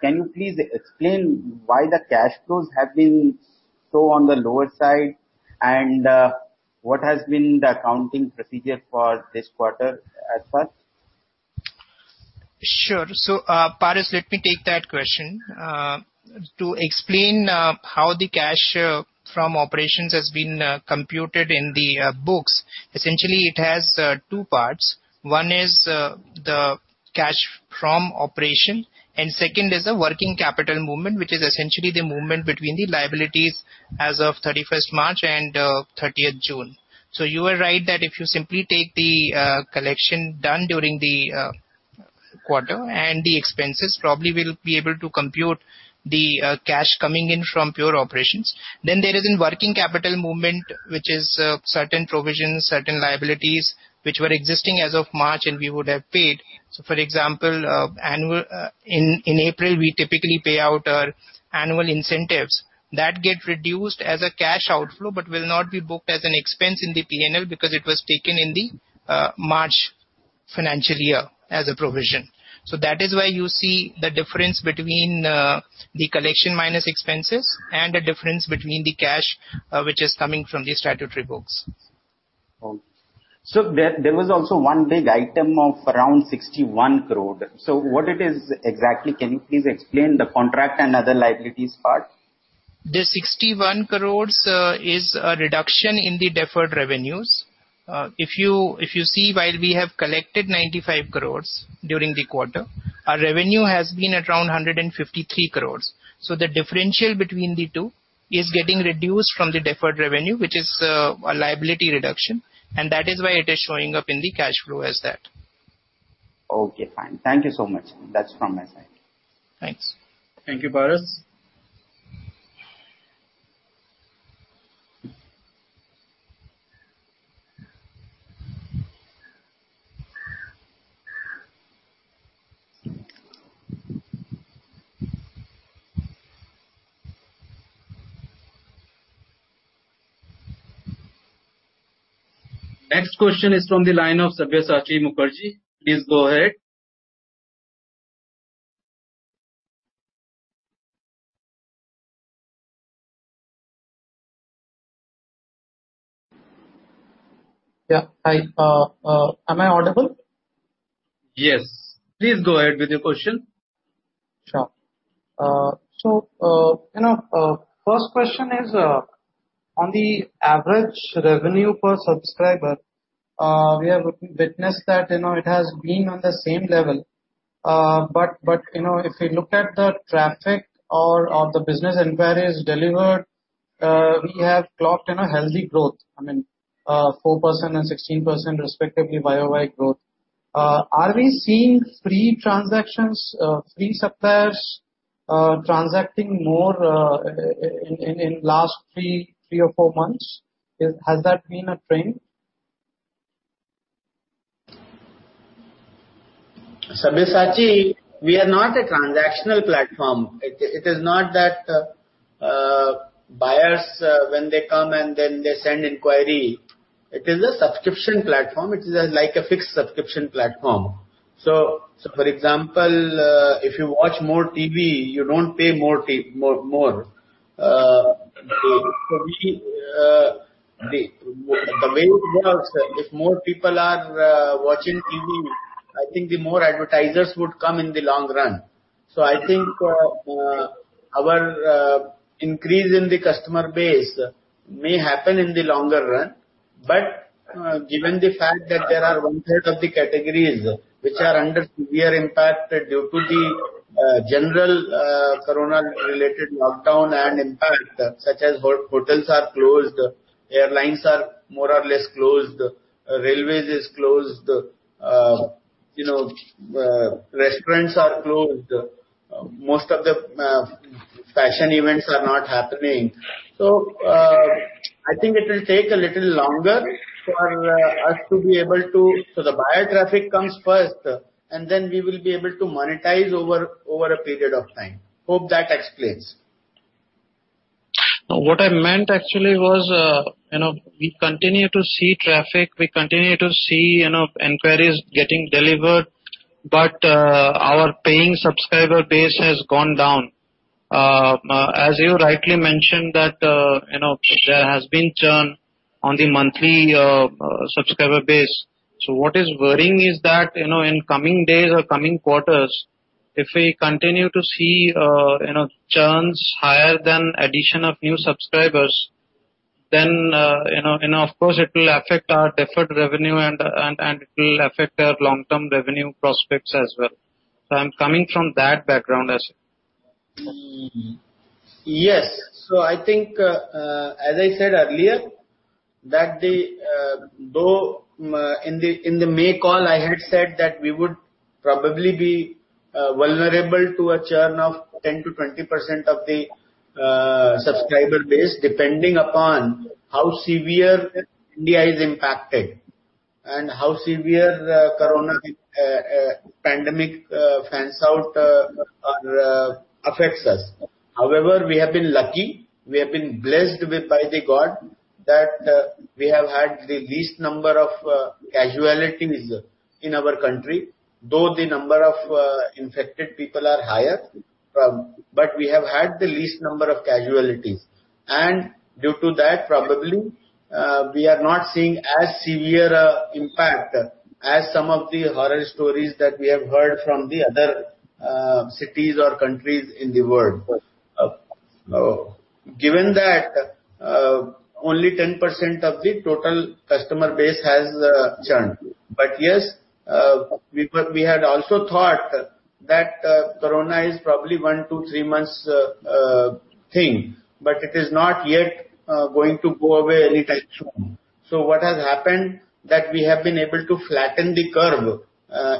can you please explain why the cash flows have been so on the lower side and what has been the accounting procedure for this quarter as such? Sure. Paras, let me take that question. To explain how the cash from operations has been computed in the books, essentially it has two parts. One is the cash from operation, and second is the working capital movement, which is essentially the movement between the liabilities as of 31st March and 30th June. You are right that if you simply take the collection done during the quarter and the expenses probably we'll be able to compute the cash coming in from pure operations. There is a working capital movement, which is certain provisions, certain liabilities which were existing as of March and we would have paid. For example, in April we typically pay out our annual incentives. That get reduced as a cash outflow but will not be booked as an expense in the P&L because it was taken in the March financial year as a provision. That is why you see the difference between the collection minus expenses and the difference between the cash which is coming from the statutory books. Okay. There was also one big item of around 61 crore. What it is exactly? Can you please explain the contract and other liabilities part? The 61 crores is a reduction in the deferred revenues. While we have collected 95 crores during the quarter, our revenue has been around 153 crores. The differential between the two is getting reduced from the deferred revenue which is a liability reduction and that is why it is showing up in the cash flow as that. Okay, fine. Thank you so much. That's from my side. Thanks. Thank you, Paras. Next question is from the line of Sabyasachi Mukherjee. Please go ahead. Yeah. Hi. Am I audible? Yes. Please go ahead with your question. Sure. First question is, on the average revenue per subscriber, we have witnessed that it has been on the same level. If we look at the traffic or the business inquiries delivered, we have clocked in a healthy growth. I mean 4% and 16% respectively year-over-year growth. Are we seeing free transactions, free suppliers transacting more in last three or four months? Has that been a trend? Sabyasachi, we are not a transactional platform. It is not that buyers when they come and then they send inquiry. It is a subscription platform. It is like a fixed subscription platform. For example, if you watch more TV, you don't pay more. For me, the way it works, if more people are watching TV, I think the more advertisers would come in the long run. I think our increase in the customer base may happen in the longer run, but given the fact that there are one-third of the categories which are under severe impact due to the general corona-related lockdown and impact such as hotels are closed, airlines are more or less closed, railways is closed, restaurants are closed, most of the fashion events are not happening. The buyer traffic comes first, and then we will be able to monetize over a period of time. Hope that explains. No, what I meant actually was we continue to see traffic, we continue to see inquiries getting delivered, but our paying subscriber base has gone down. As you rightly mentioned that there has been churn on the monthly subscriber base. What is worrying is that in coming days or coming quarters, if we continue to see churns higher than addition of new subscribers, of course it will affect our deferred revenue and it will affect our long-term revenue prospects as well. I'm coming from that background. Yes. I think as I said earlier, though in the May call I had said that we would probably be vulnerable to a churn of 10%-20% of the subscriber base, depending upon how severe India is impacted and how severe corona pandemic fans out or affects us. We have been lucky. We have been blessed by God that we have had the least number of casualties in our country, though the number of infected people are higher. We have had the least number of casualties, and due to that, probably, we are not seeing as severe impact as some of the horror stories that we have heard from the other cities or countries in the world. Given that, only 10% of the total customer base has churned. Yes, we had also thought that corona is probably one to three months thing, it is not yet going to go away anytime soon. What has happened, that we have been able to flatten the curve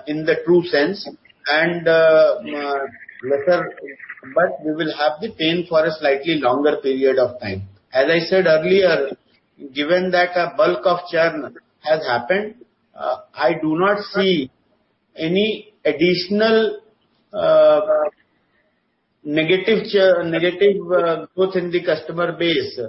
in the true sense. We will have the pain for a slightly longer period of time. As I said earlier, given that a bulk of churn has happened, I do not see any additional negative growth in the customer base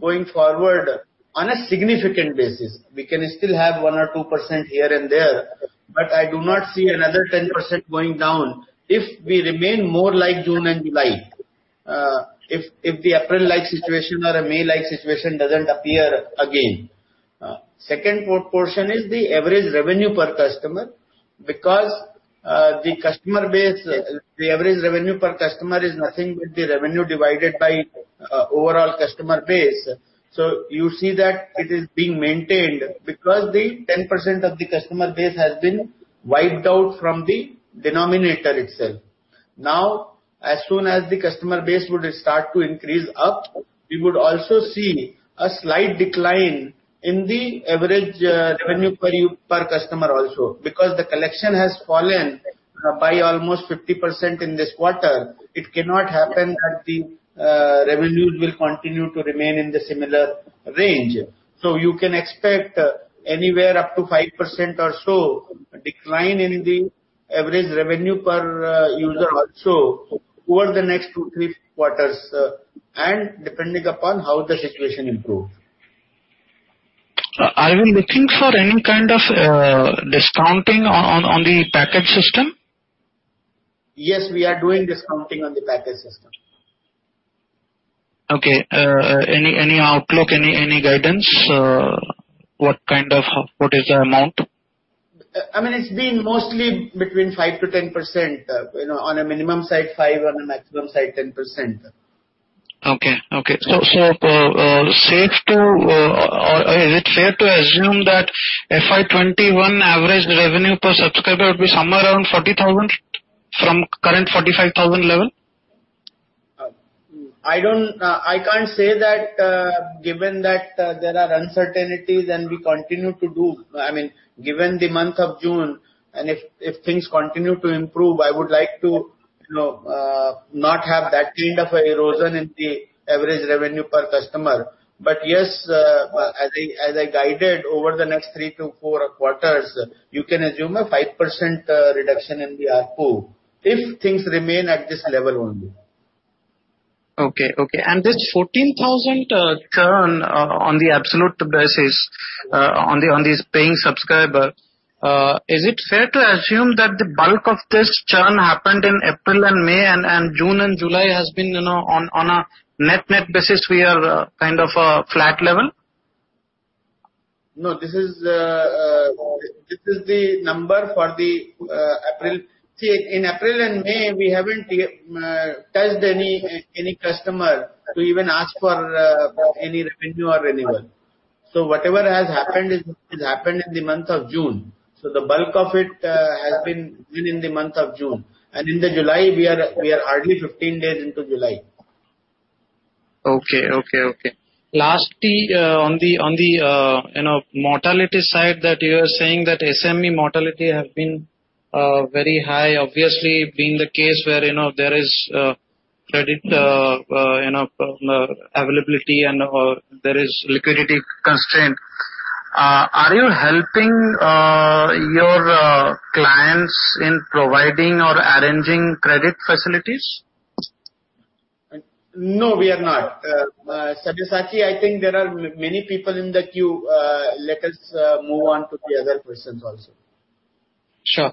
going forward on a significant basis. We can still have 1% or 2% here and there, I do not see another 10% going down if we remain more like June and July. If the April-like situation or a May-like situation doesn't appear again. Second portion is the average revenue per customer, the average revenue per customer is nothing but the revenue divided by overall customer base. You see that it has been maintained because the 10% of the customer base has been wiped out from the denominator itself. As soon as the customer base would start to increase up, we would also see a slight decline in the average revenue per customer also. The collection has fallen by almost 50% in this quarter, it cannot happen that the revenues will continue to remain in the similar range. You can expect anywhere up to 5% or so decline in the average revenue per user also over the next two, three quarters, and depending upon how the situation improves. Are you looking for any kind of discounting on the package system? Yes, we are doing discounting on the package system. Okay. Any outlook, any guidance? What is the amount? It's been mostly between 5%-10%. On a minimum side, 5%, on a maximum side, 10%. Okay. Is it fair to assume that FY 2021 average revenue per subscriber would be somewhere around 40,000 from current 45,000 level? I can't say that given that there are uncertainties and we continue Given the month of June and if things continue to improve, I would like to not have that kind of a erosion in the average revenue per customer. Yes, as I guided over the next 3-4 quarters, you can assume a 5% reduction in the ARPU. If things remain at this level only. Okay. This 14,000 churn on the absolute basis on these paying subscriber, is it fair to assume that the bulk of this churn happened in April and May, and June and July has been on a net basis, we are kind of a flat level? No, this is the number for the April. See, in April and May, we haven't touched any customer to even ask for any revenue or renewal. Whatever has happened is happened in the month of June. In the July, we are hardly 15 days into July. Okay. Lastly, on the mortality side that you are saying that SME mortality has been very high, obviously being the case where there is credit availability and there is liquidity constraint. Are you helping your clients in providing or arranging credit facilities? No, we are not. Sabyasachi, I think there are many people in the queue. Let us move on to the other questions also. Sure.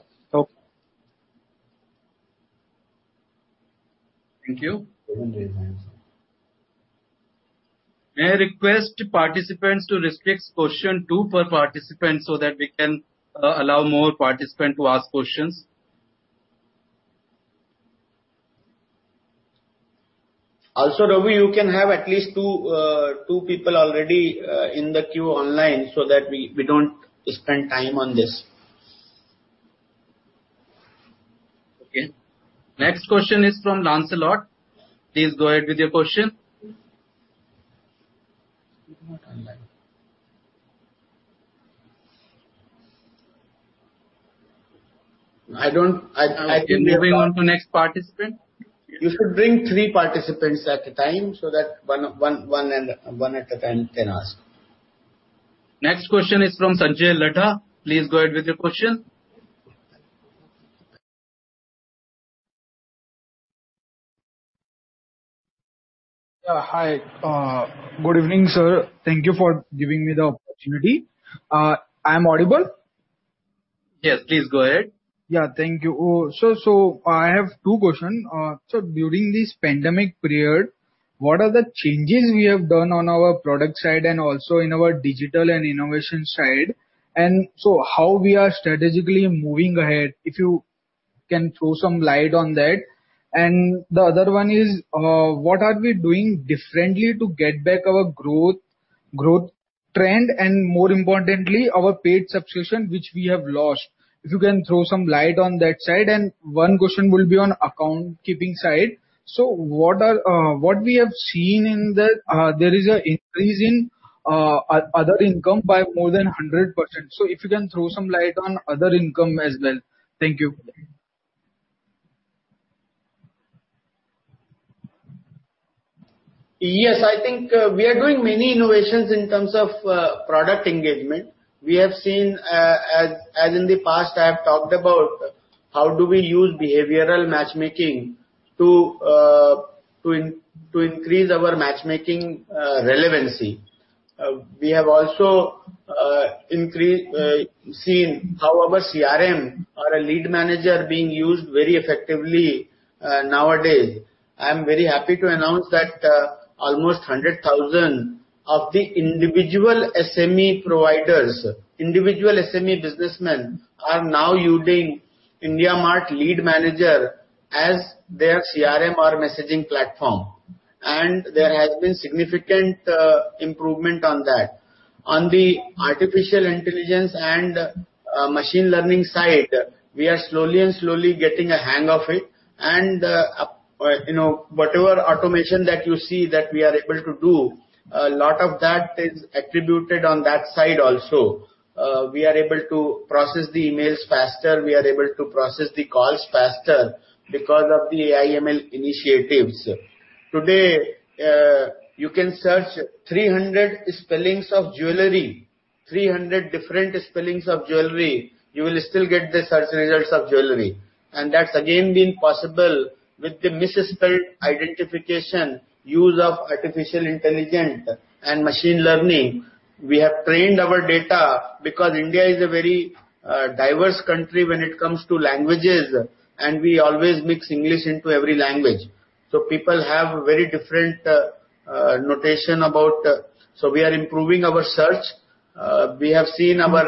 Okay. Thank you. Even raise hands. May I request participants to restrict question two per participant so that we can allow more participant to ask questions. Ravi, you can have at least two people already in the queue online so that we don't spend time on this. Okay. Next question is from Lancelot. Please go ahead with your question. He's not online. I don't- Keep moving on to next participant. You should bring three participants at a time so that one at a time can ask. Next question is from Sanjay Latta. Please go ahead with your question. Hi. Good evening, sir. Thank you for giving me the opportunity. I am audible? Yes, please go ahead. Yeah, thank you. I have two question. During this pandemic period, what are the changes we have done on our product side and also in our digital and innovation side? How we are strategically moving ahead, if you can throw some light on that. The other one is, what are we doing differently to get back our growth trend and more importantly, our paid subscription, which we have lost? If you can throw some light on that side. One question will be on account keeping side. What we have seen in that, there is an increase in other income by more than 100%. If you can throw some light on other income as well. Thank you. Yes, I think we are doing many innovations in terms of product engagement. We have seen, as in the past I have talked about how do we use behavioral matchmaking to increase our matchmaking relevancy. We have also seen how our CRM or a Lead Manager being used very effectively nowadays. I am very happy to announce that almost 100,000 of the individual SME providers, individual SME businessmen, are now using IndiaMART Lead Manager as their CRM or messaging platform. There has been significant improvement on that. On the artificial intelligence and machine learning side, we are slowly getting a hang of it. Whatever automation that you see that we are able to do, a lot of that is attributed on that side also. We are able to process the emails faster, we are able to process the calls faster because of the AIML initiatives. Today, you can search 300 spellings of jewelry, 300 different spellings of jewelry, you will still get the search results of jewelry. That's again been possible with the misspelled identification use of artificial intelligence and machine learning. We have trained our data because India is a very diverse country when it comes to languages, and we always mix English into every language. We are improving our search. We have seen our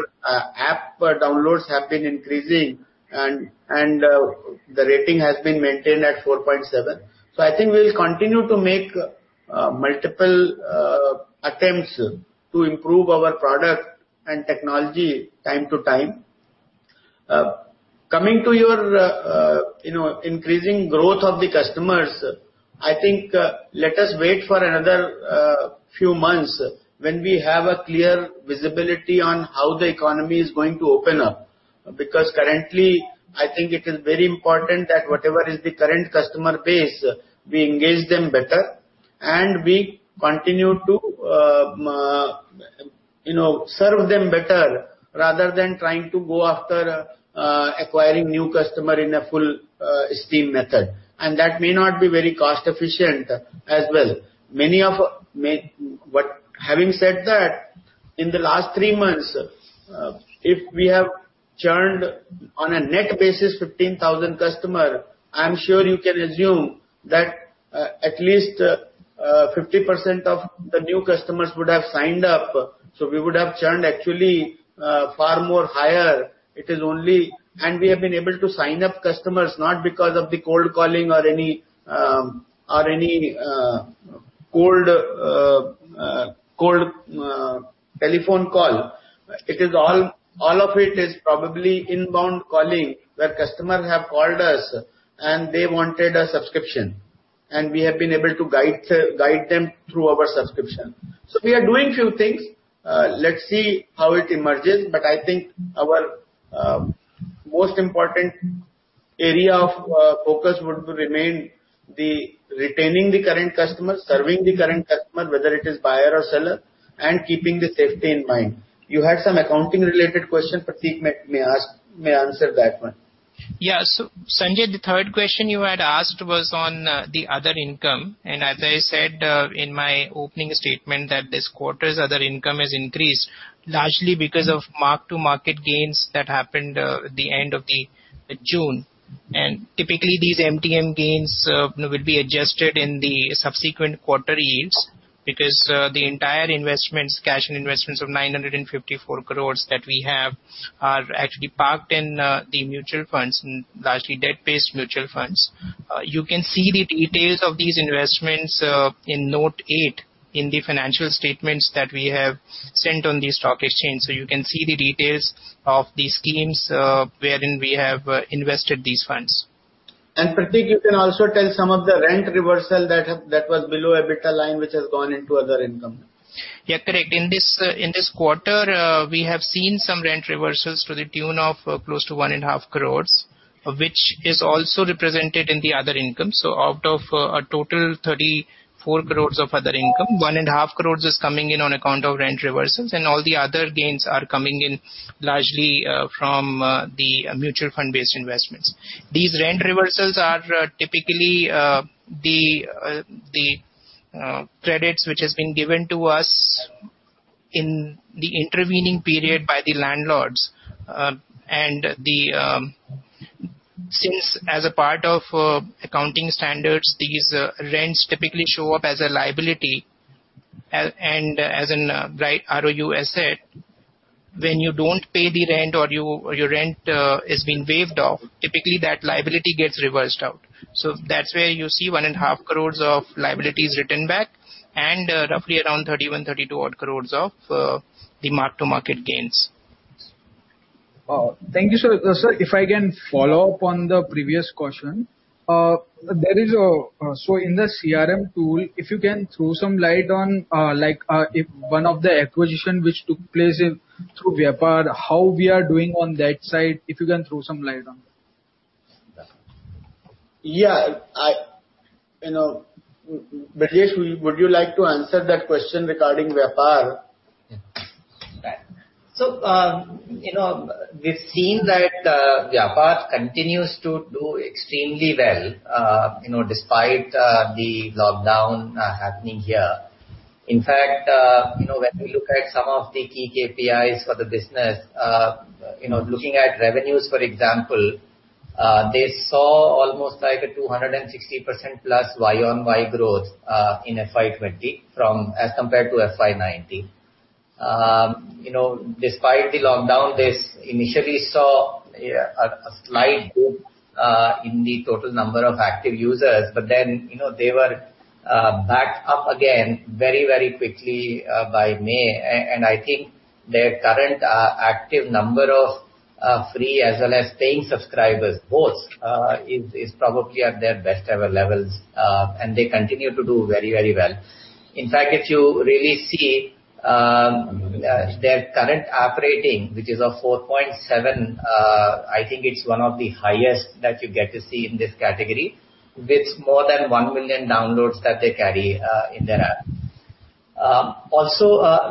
app downloads have been increasing, and the rating has been maintained at 4.7. I think we'll continue to make multiple attempts to improve our product and technology time to time. Coming to your increasing growth of the customers, I think let us wait for another few months when we have a clear visibility on how the economy is going to open up. Currently, I think it is very important that whatever is the current customer base, we engage them better and we continue to serve them better rather than trying to go after acquiring new customer in a full steam method. That may not be very cost efficient as well. Having said that, in the last 3 months, if we have churned on a net basis 15,000 customer, I'm sure you can assume that at least 50% of the new customers would have signed up, so we would have churned actually far more higher. We have been able to sign up customers not because of the cold calling or any cold telephone call. All of it is probably inbound calling, where customers have called us and they wanted a subscription, and we have been able to guide them through our subscription. We are doing few things. Let's see how it emerges. I think our most important area of focus would remain retaining the current customer, serving the current customer, whether it is buyer or seller, and keeping the safety in mind. You had some accounting related question, Prateek may answer that one. Sanjay, the third question you had asked was on the other income, and as I said in my opening statement that this quarter's other income has increased largely because of mark-to-market gains that happened at the end of June. Typically, these MTM gains will be adjusted in the subsequent quarter yields because the entire investments, cash and investments of 954 crores that we have are actually parked in the mutual funds, largely debt-based mutual funds. You can see the details of these investments in note eight in the financial statements that we have sent on the stock exchange. You can see the details of the schemes wherein we have invested these funds. Prateek, you can also tell some of the rent reversal that was below EBITDA line, which has gone into other income. Correct. In this quarter, we have seen some rent reversals to the tune of close to 1.5 crore, which is also represented in the other income. Out of a total 34 crore of other income, 1.5 crore is coming in on account of rent reversals, and all the other gains are coming in largely from the mutual fund-based investments. These rent reversals are typically the credits which has been given to us in the intervening period by the landlords. Since as a part of accounting standards, these rents typically show up as a liability and as an right ROU asset. When you don't pay the rent or your rent has been waived off, typically that liability gets reversed out. That's where you see 1.5 crores of liabilities written back and roughly around 31-32 crores of the mark-to-market gains. Thank you, sir. Sir, if I can follow up on the previous question. In the CRM tool, if you can throw some light on if one of the acquisition which took place through Vyapar, how we are doing on that side, if you can throw some light on that. Yeah. Brijesh, would you like to answer that question regarding Vyapar? We've seen that Vyapar continues to do extremely well despite the lockdown happening here. When we look at some of the key KPIs for the business, looking at revenues, for example, they saw almost like a 260% plus Y-on-Y growth in FY20 as compared to FY19. Despite the lockdown, they initially saw a slight dip in the total number of active users, they were back up again very quickly by May. I think their current active number of free as well as paying subscribers, both, is probably at their best ever levels. They continue to do very well. If you really see their current app rating, which is a 4.7, I think it's one of the highest that you get to see in this category, with more than 1 million downloads that they carry in their app.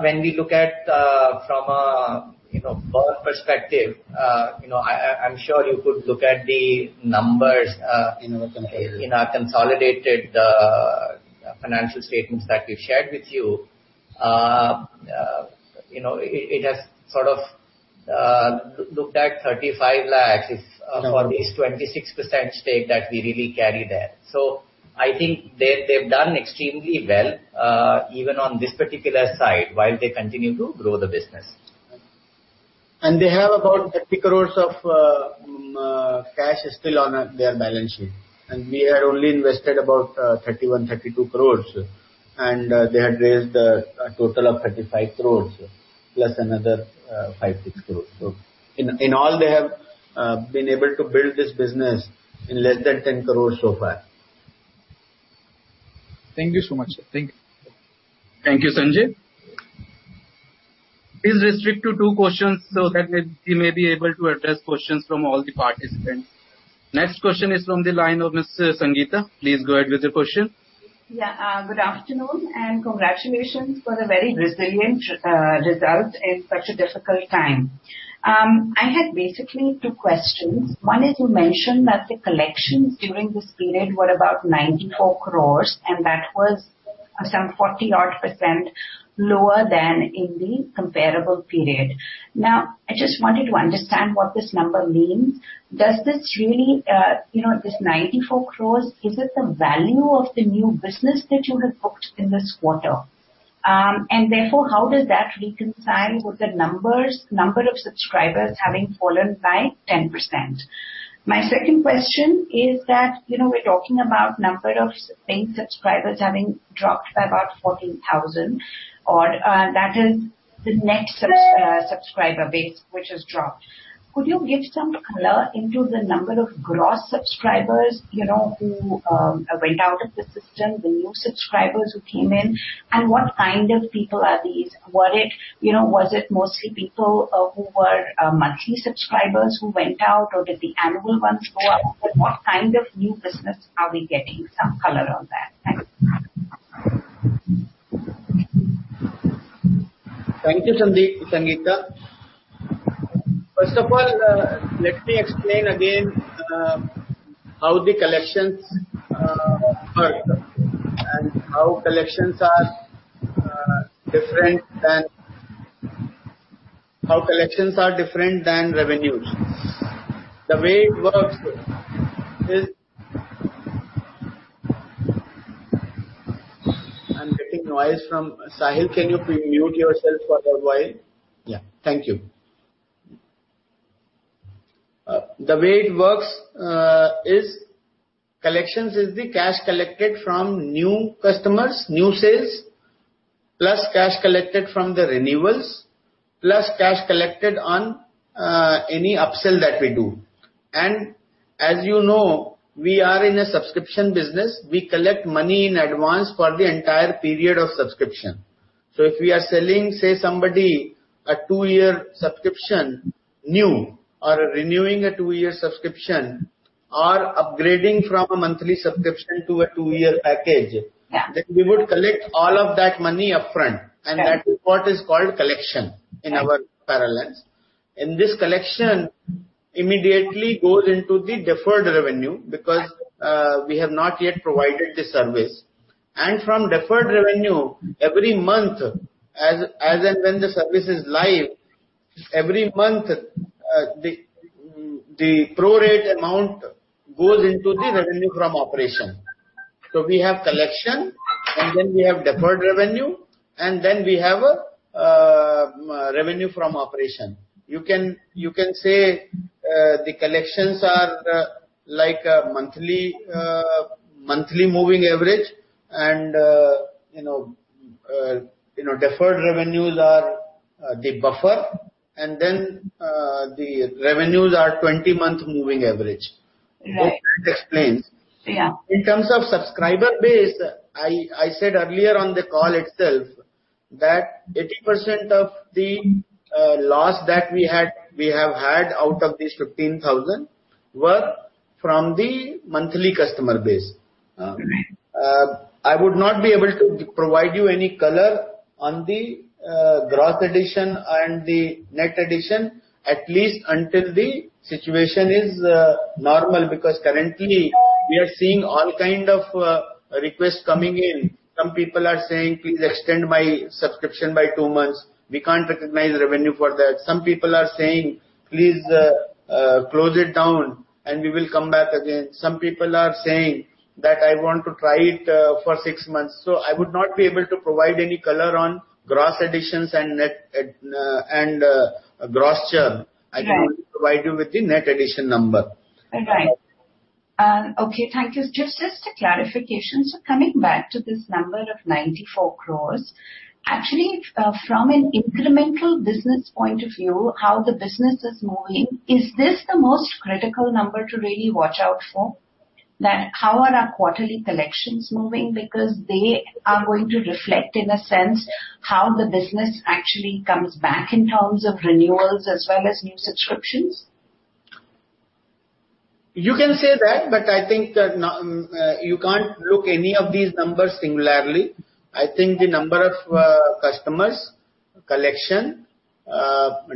When we look at from a burn perspective, I'm sure you could look at the numbers in our consolidated financial statements that we've shared with you. It has sort of looked at 35 lakhs for this 26% stake that we really carry there. I think they've done extremely well even on this particular side while they continue to grow the business. They have about 30 crores of cash still on their balance sheet. We have only invested about 31-32 crores. They had raised a total of 35 crores plus another 5-6 crores. In all, they have been able to build this business in less than 10 crores so far. Thank you so much, sir. Thank you. Thank you, Sanjay. Please restrict to two questions so that we may be able to address questions from all the participants. Next question is from the line of Ms. Sangeeta. Please go ahead with your question Good afternoon. Congratulations for the very resilient result in such a difficult time. I had basically two questions. You mentioned that the collections during this period were about 94 crore, that was some 40-odd% lower than in the comparable period. I just wanted to understand what this number means. This 94 crore, is it the value of the new business that you have booked in this quarter? Therefore, how does that reconcile with the number of subscribers having fallen by 10%? My second question is that we're talking about number of paying subscribers having dropped by about 14,000, or that is the net subscriber base which has dropped. Could you give some color into the number of gross subscribers who went out of the system, the new subscribers who came in, and what kind of people are these? Was it mostly people who were monthly subscribers who went out, or did the annual ones go out? What kind of new business are we getting? Some color on that. Thanks. Thank you, Sangeeta. First of all, let me explain again how the collections work, and how collections are different than revenues. The way it works is I'm getting noise from Sahil. Can you mute yourself for a while? Yeah, thank you. The way it works is collections is the cash collected from new customers, new sales, plus cash collected from the renewals, plus cash collected on any upsell that we do. As you know, we are in a subscription business. We collect money in advance for the entire period of subscription. If we are selling, say, somebody a two-year subscription new, or renewing a two-year subscription, or upgrading from a monthly subscription to a two-year package. Yeah We would collect all of that money upfront. Right. That is what is called collection in our parlance. This collection immediately goes into the deferred revenue because we have not yet provided the service. From deferred revenue, every month, as and when the service is live, every month, the pro-rate amount goes into the revenue from operation. We have collection, and then we have deferred revenue, and then we have revenue from operation. You can say the collections are like a monthly moving average and deferred revenues are the buffer, and then the revenues are 20-month moving average. Right. Hope that explains. Yeah. In terms of subscriber base, I said earlier on the call itself that 80% of the loss that we have had out of these 15,000 were from the monthly customer base. Right. I would not be able to provide you any color on the gross addition and the net addition, at least until the situation is normal, because currently we are seeing all kind of requests coming in. Some people are saying, "Please extend my subscription by two months." We can't recognize revenue for that. Some people are saying, "Please close it down, and we will come back again." Some people are saying that, "I want to try it for six months." I would not be able to provide any color on gross additions and gross churn. Right. I can only provide you with the net addition number. All right. Okay, thank you. Just as a clarification, coming back to this number of 94 crores, actually, from an incremental business point of view, how the business is moving, is this the most critical number to really watch out for? How are our quarterly collections moving, because they are going to reflect, in a sense, how the business actually comes back in terms of renewals as well as new subscriptions. You can say that, but I think you can't look any of these numbers singularly. I think the number of customers, collection,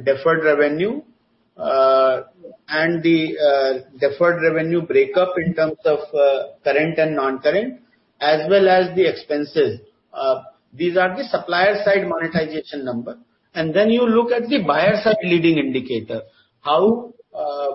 deferred revenue, and the deferred revenue breakup in terms of current and non-current, as well as the expenses, these are the supplier side monetization number. Then you look at the buyer side leading indicator. How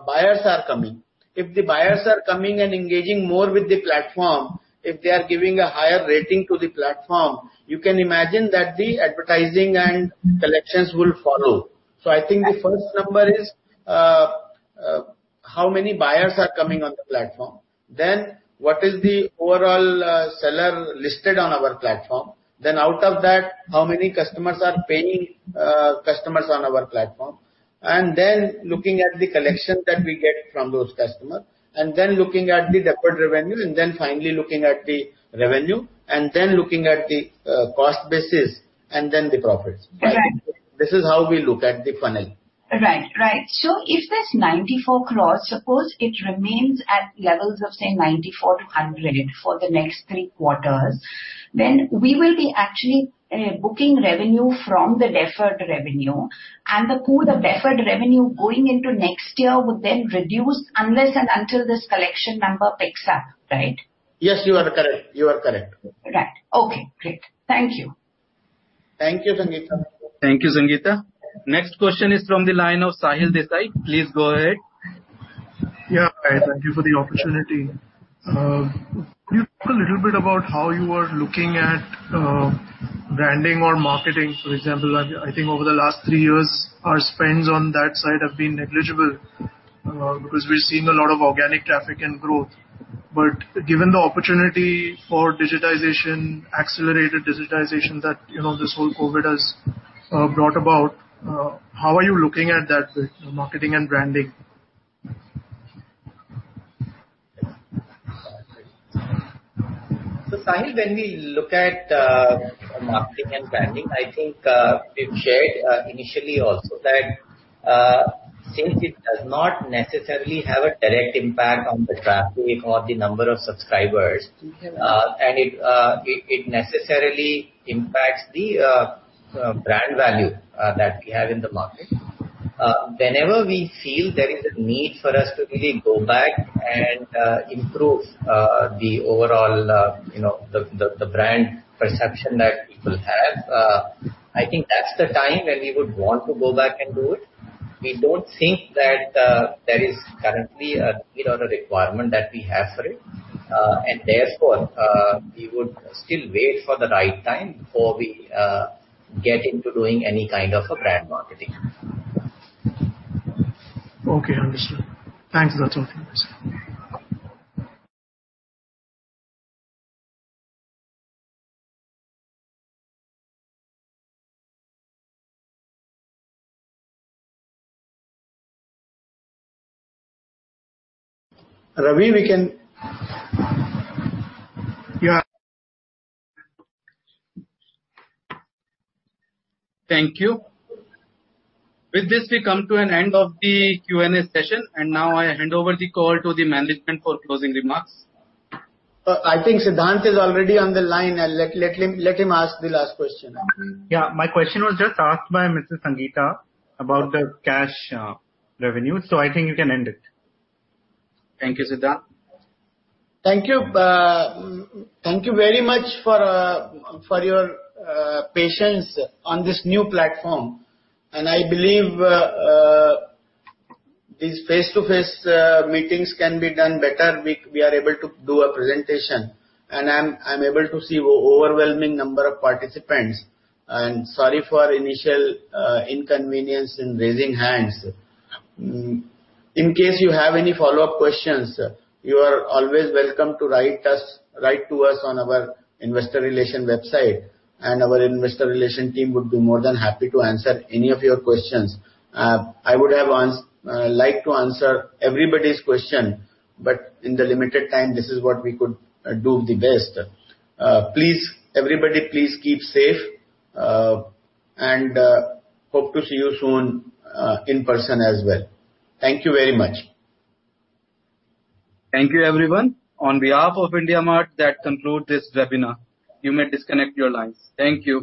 buyers are coming. If the buyers are coming and engaging more with the platform, if they are giving a higher rating to the platform, you can imagine that the advertising and collections will follow. I think the first number is how many buyers are coming on the platform, then what is the overall seller listed on our platform, then out of that, how many customers are paying customers on our platform. Looking at the collection that we get from those customers, and then looking at the deferred revenue, and then finally looking at the revenue, and then looking at the cost basis, and then the profits. Okay. This is how we look at the funnel. Right. If this 94 crores, suppose it remains at levels of, say, 94 crores-100 crores for the next three quarters, then we will be actually booking revenue from the deferred revenue and the pool, the deferred revenue going into next year would then reduce unless and until this collection number picks up, right? Yes, you are correct. Right. Okay, great. Thank you. Thank you, Sangeeta. Thank you, Sangeeta. Next question is from the line of Sahil Desai. Please go ahead. Yeah. Thank you for the opportunity. Can you talk a little bit about how you are looking at branding or marketing, for example. I think over the last three years, our spends on that side have been negligible because we're seeing a lot of organic traffic and growth. Given the opportunity for accelerated digitization that this whole COVID has brought about, how are you looking at that with marketing and branding? Sahil, when we look at marketing and branding, I think we've shared initially also that since it does not necessarily have a direct impact on the traffic or the number of subscribers and it necessarily impacts the brand value that we have in the market. Whenever we feel there is a need for us to really go back and improve the overall brand perception that people have I think that's the time when we would want to go back and do it. We don't think that there is currently a need or a requirement that we have for it. Therefore, we would still wait for the right time before we get into doing any kind of a brand marketing. Okay, understood. Thanks. That's all. Ravi, we can Thank you. With this, we come to an end of the Q&A session. Now I hand over the call to the management for closing remarks. I think Siddhant is already on the line. Let him ask the last question. Yeah. My question was just asked by Mrs. Sangeeta about the cash revenue, so I think you can end it. Thank you, Siddhant. Thank you very much for your patience on this new platform. I believe these face-to-face meetings can be done better. We are able to do a presentation, and I'm able to see overwhelming number of participants. Sorry for initial inconvenience in raising hands. In case you have any follow-up questions, you are always welcome to write to us on our investor relation website and our investor relation team would be more than happy to answer any of your questions. I would have liked to answer everybody's question, but in the limited time, this is what we could do the best. Everybody, please keep safe, and hope to see you soon in person as well. Thank you very much. Thank you, everyone. On behalf of IndiaMART, that concludes this webinar. You may disconnect your lines. Thank you.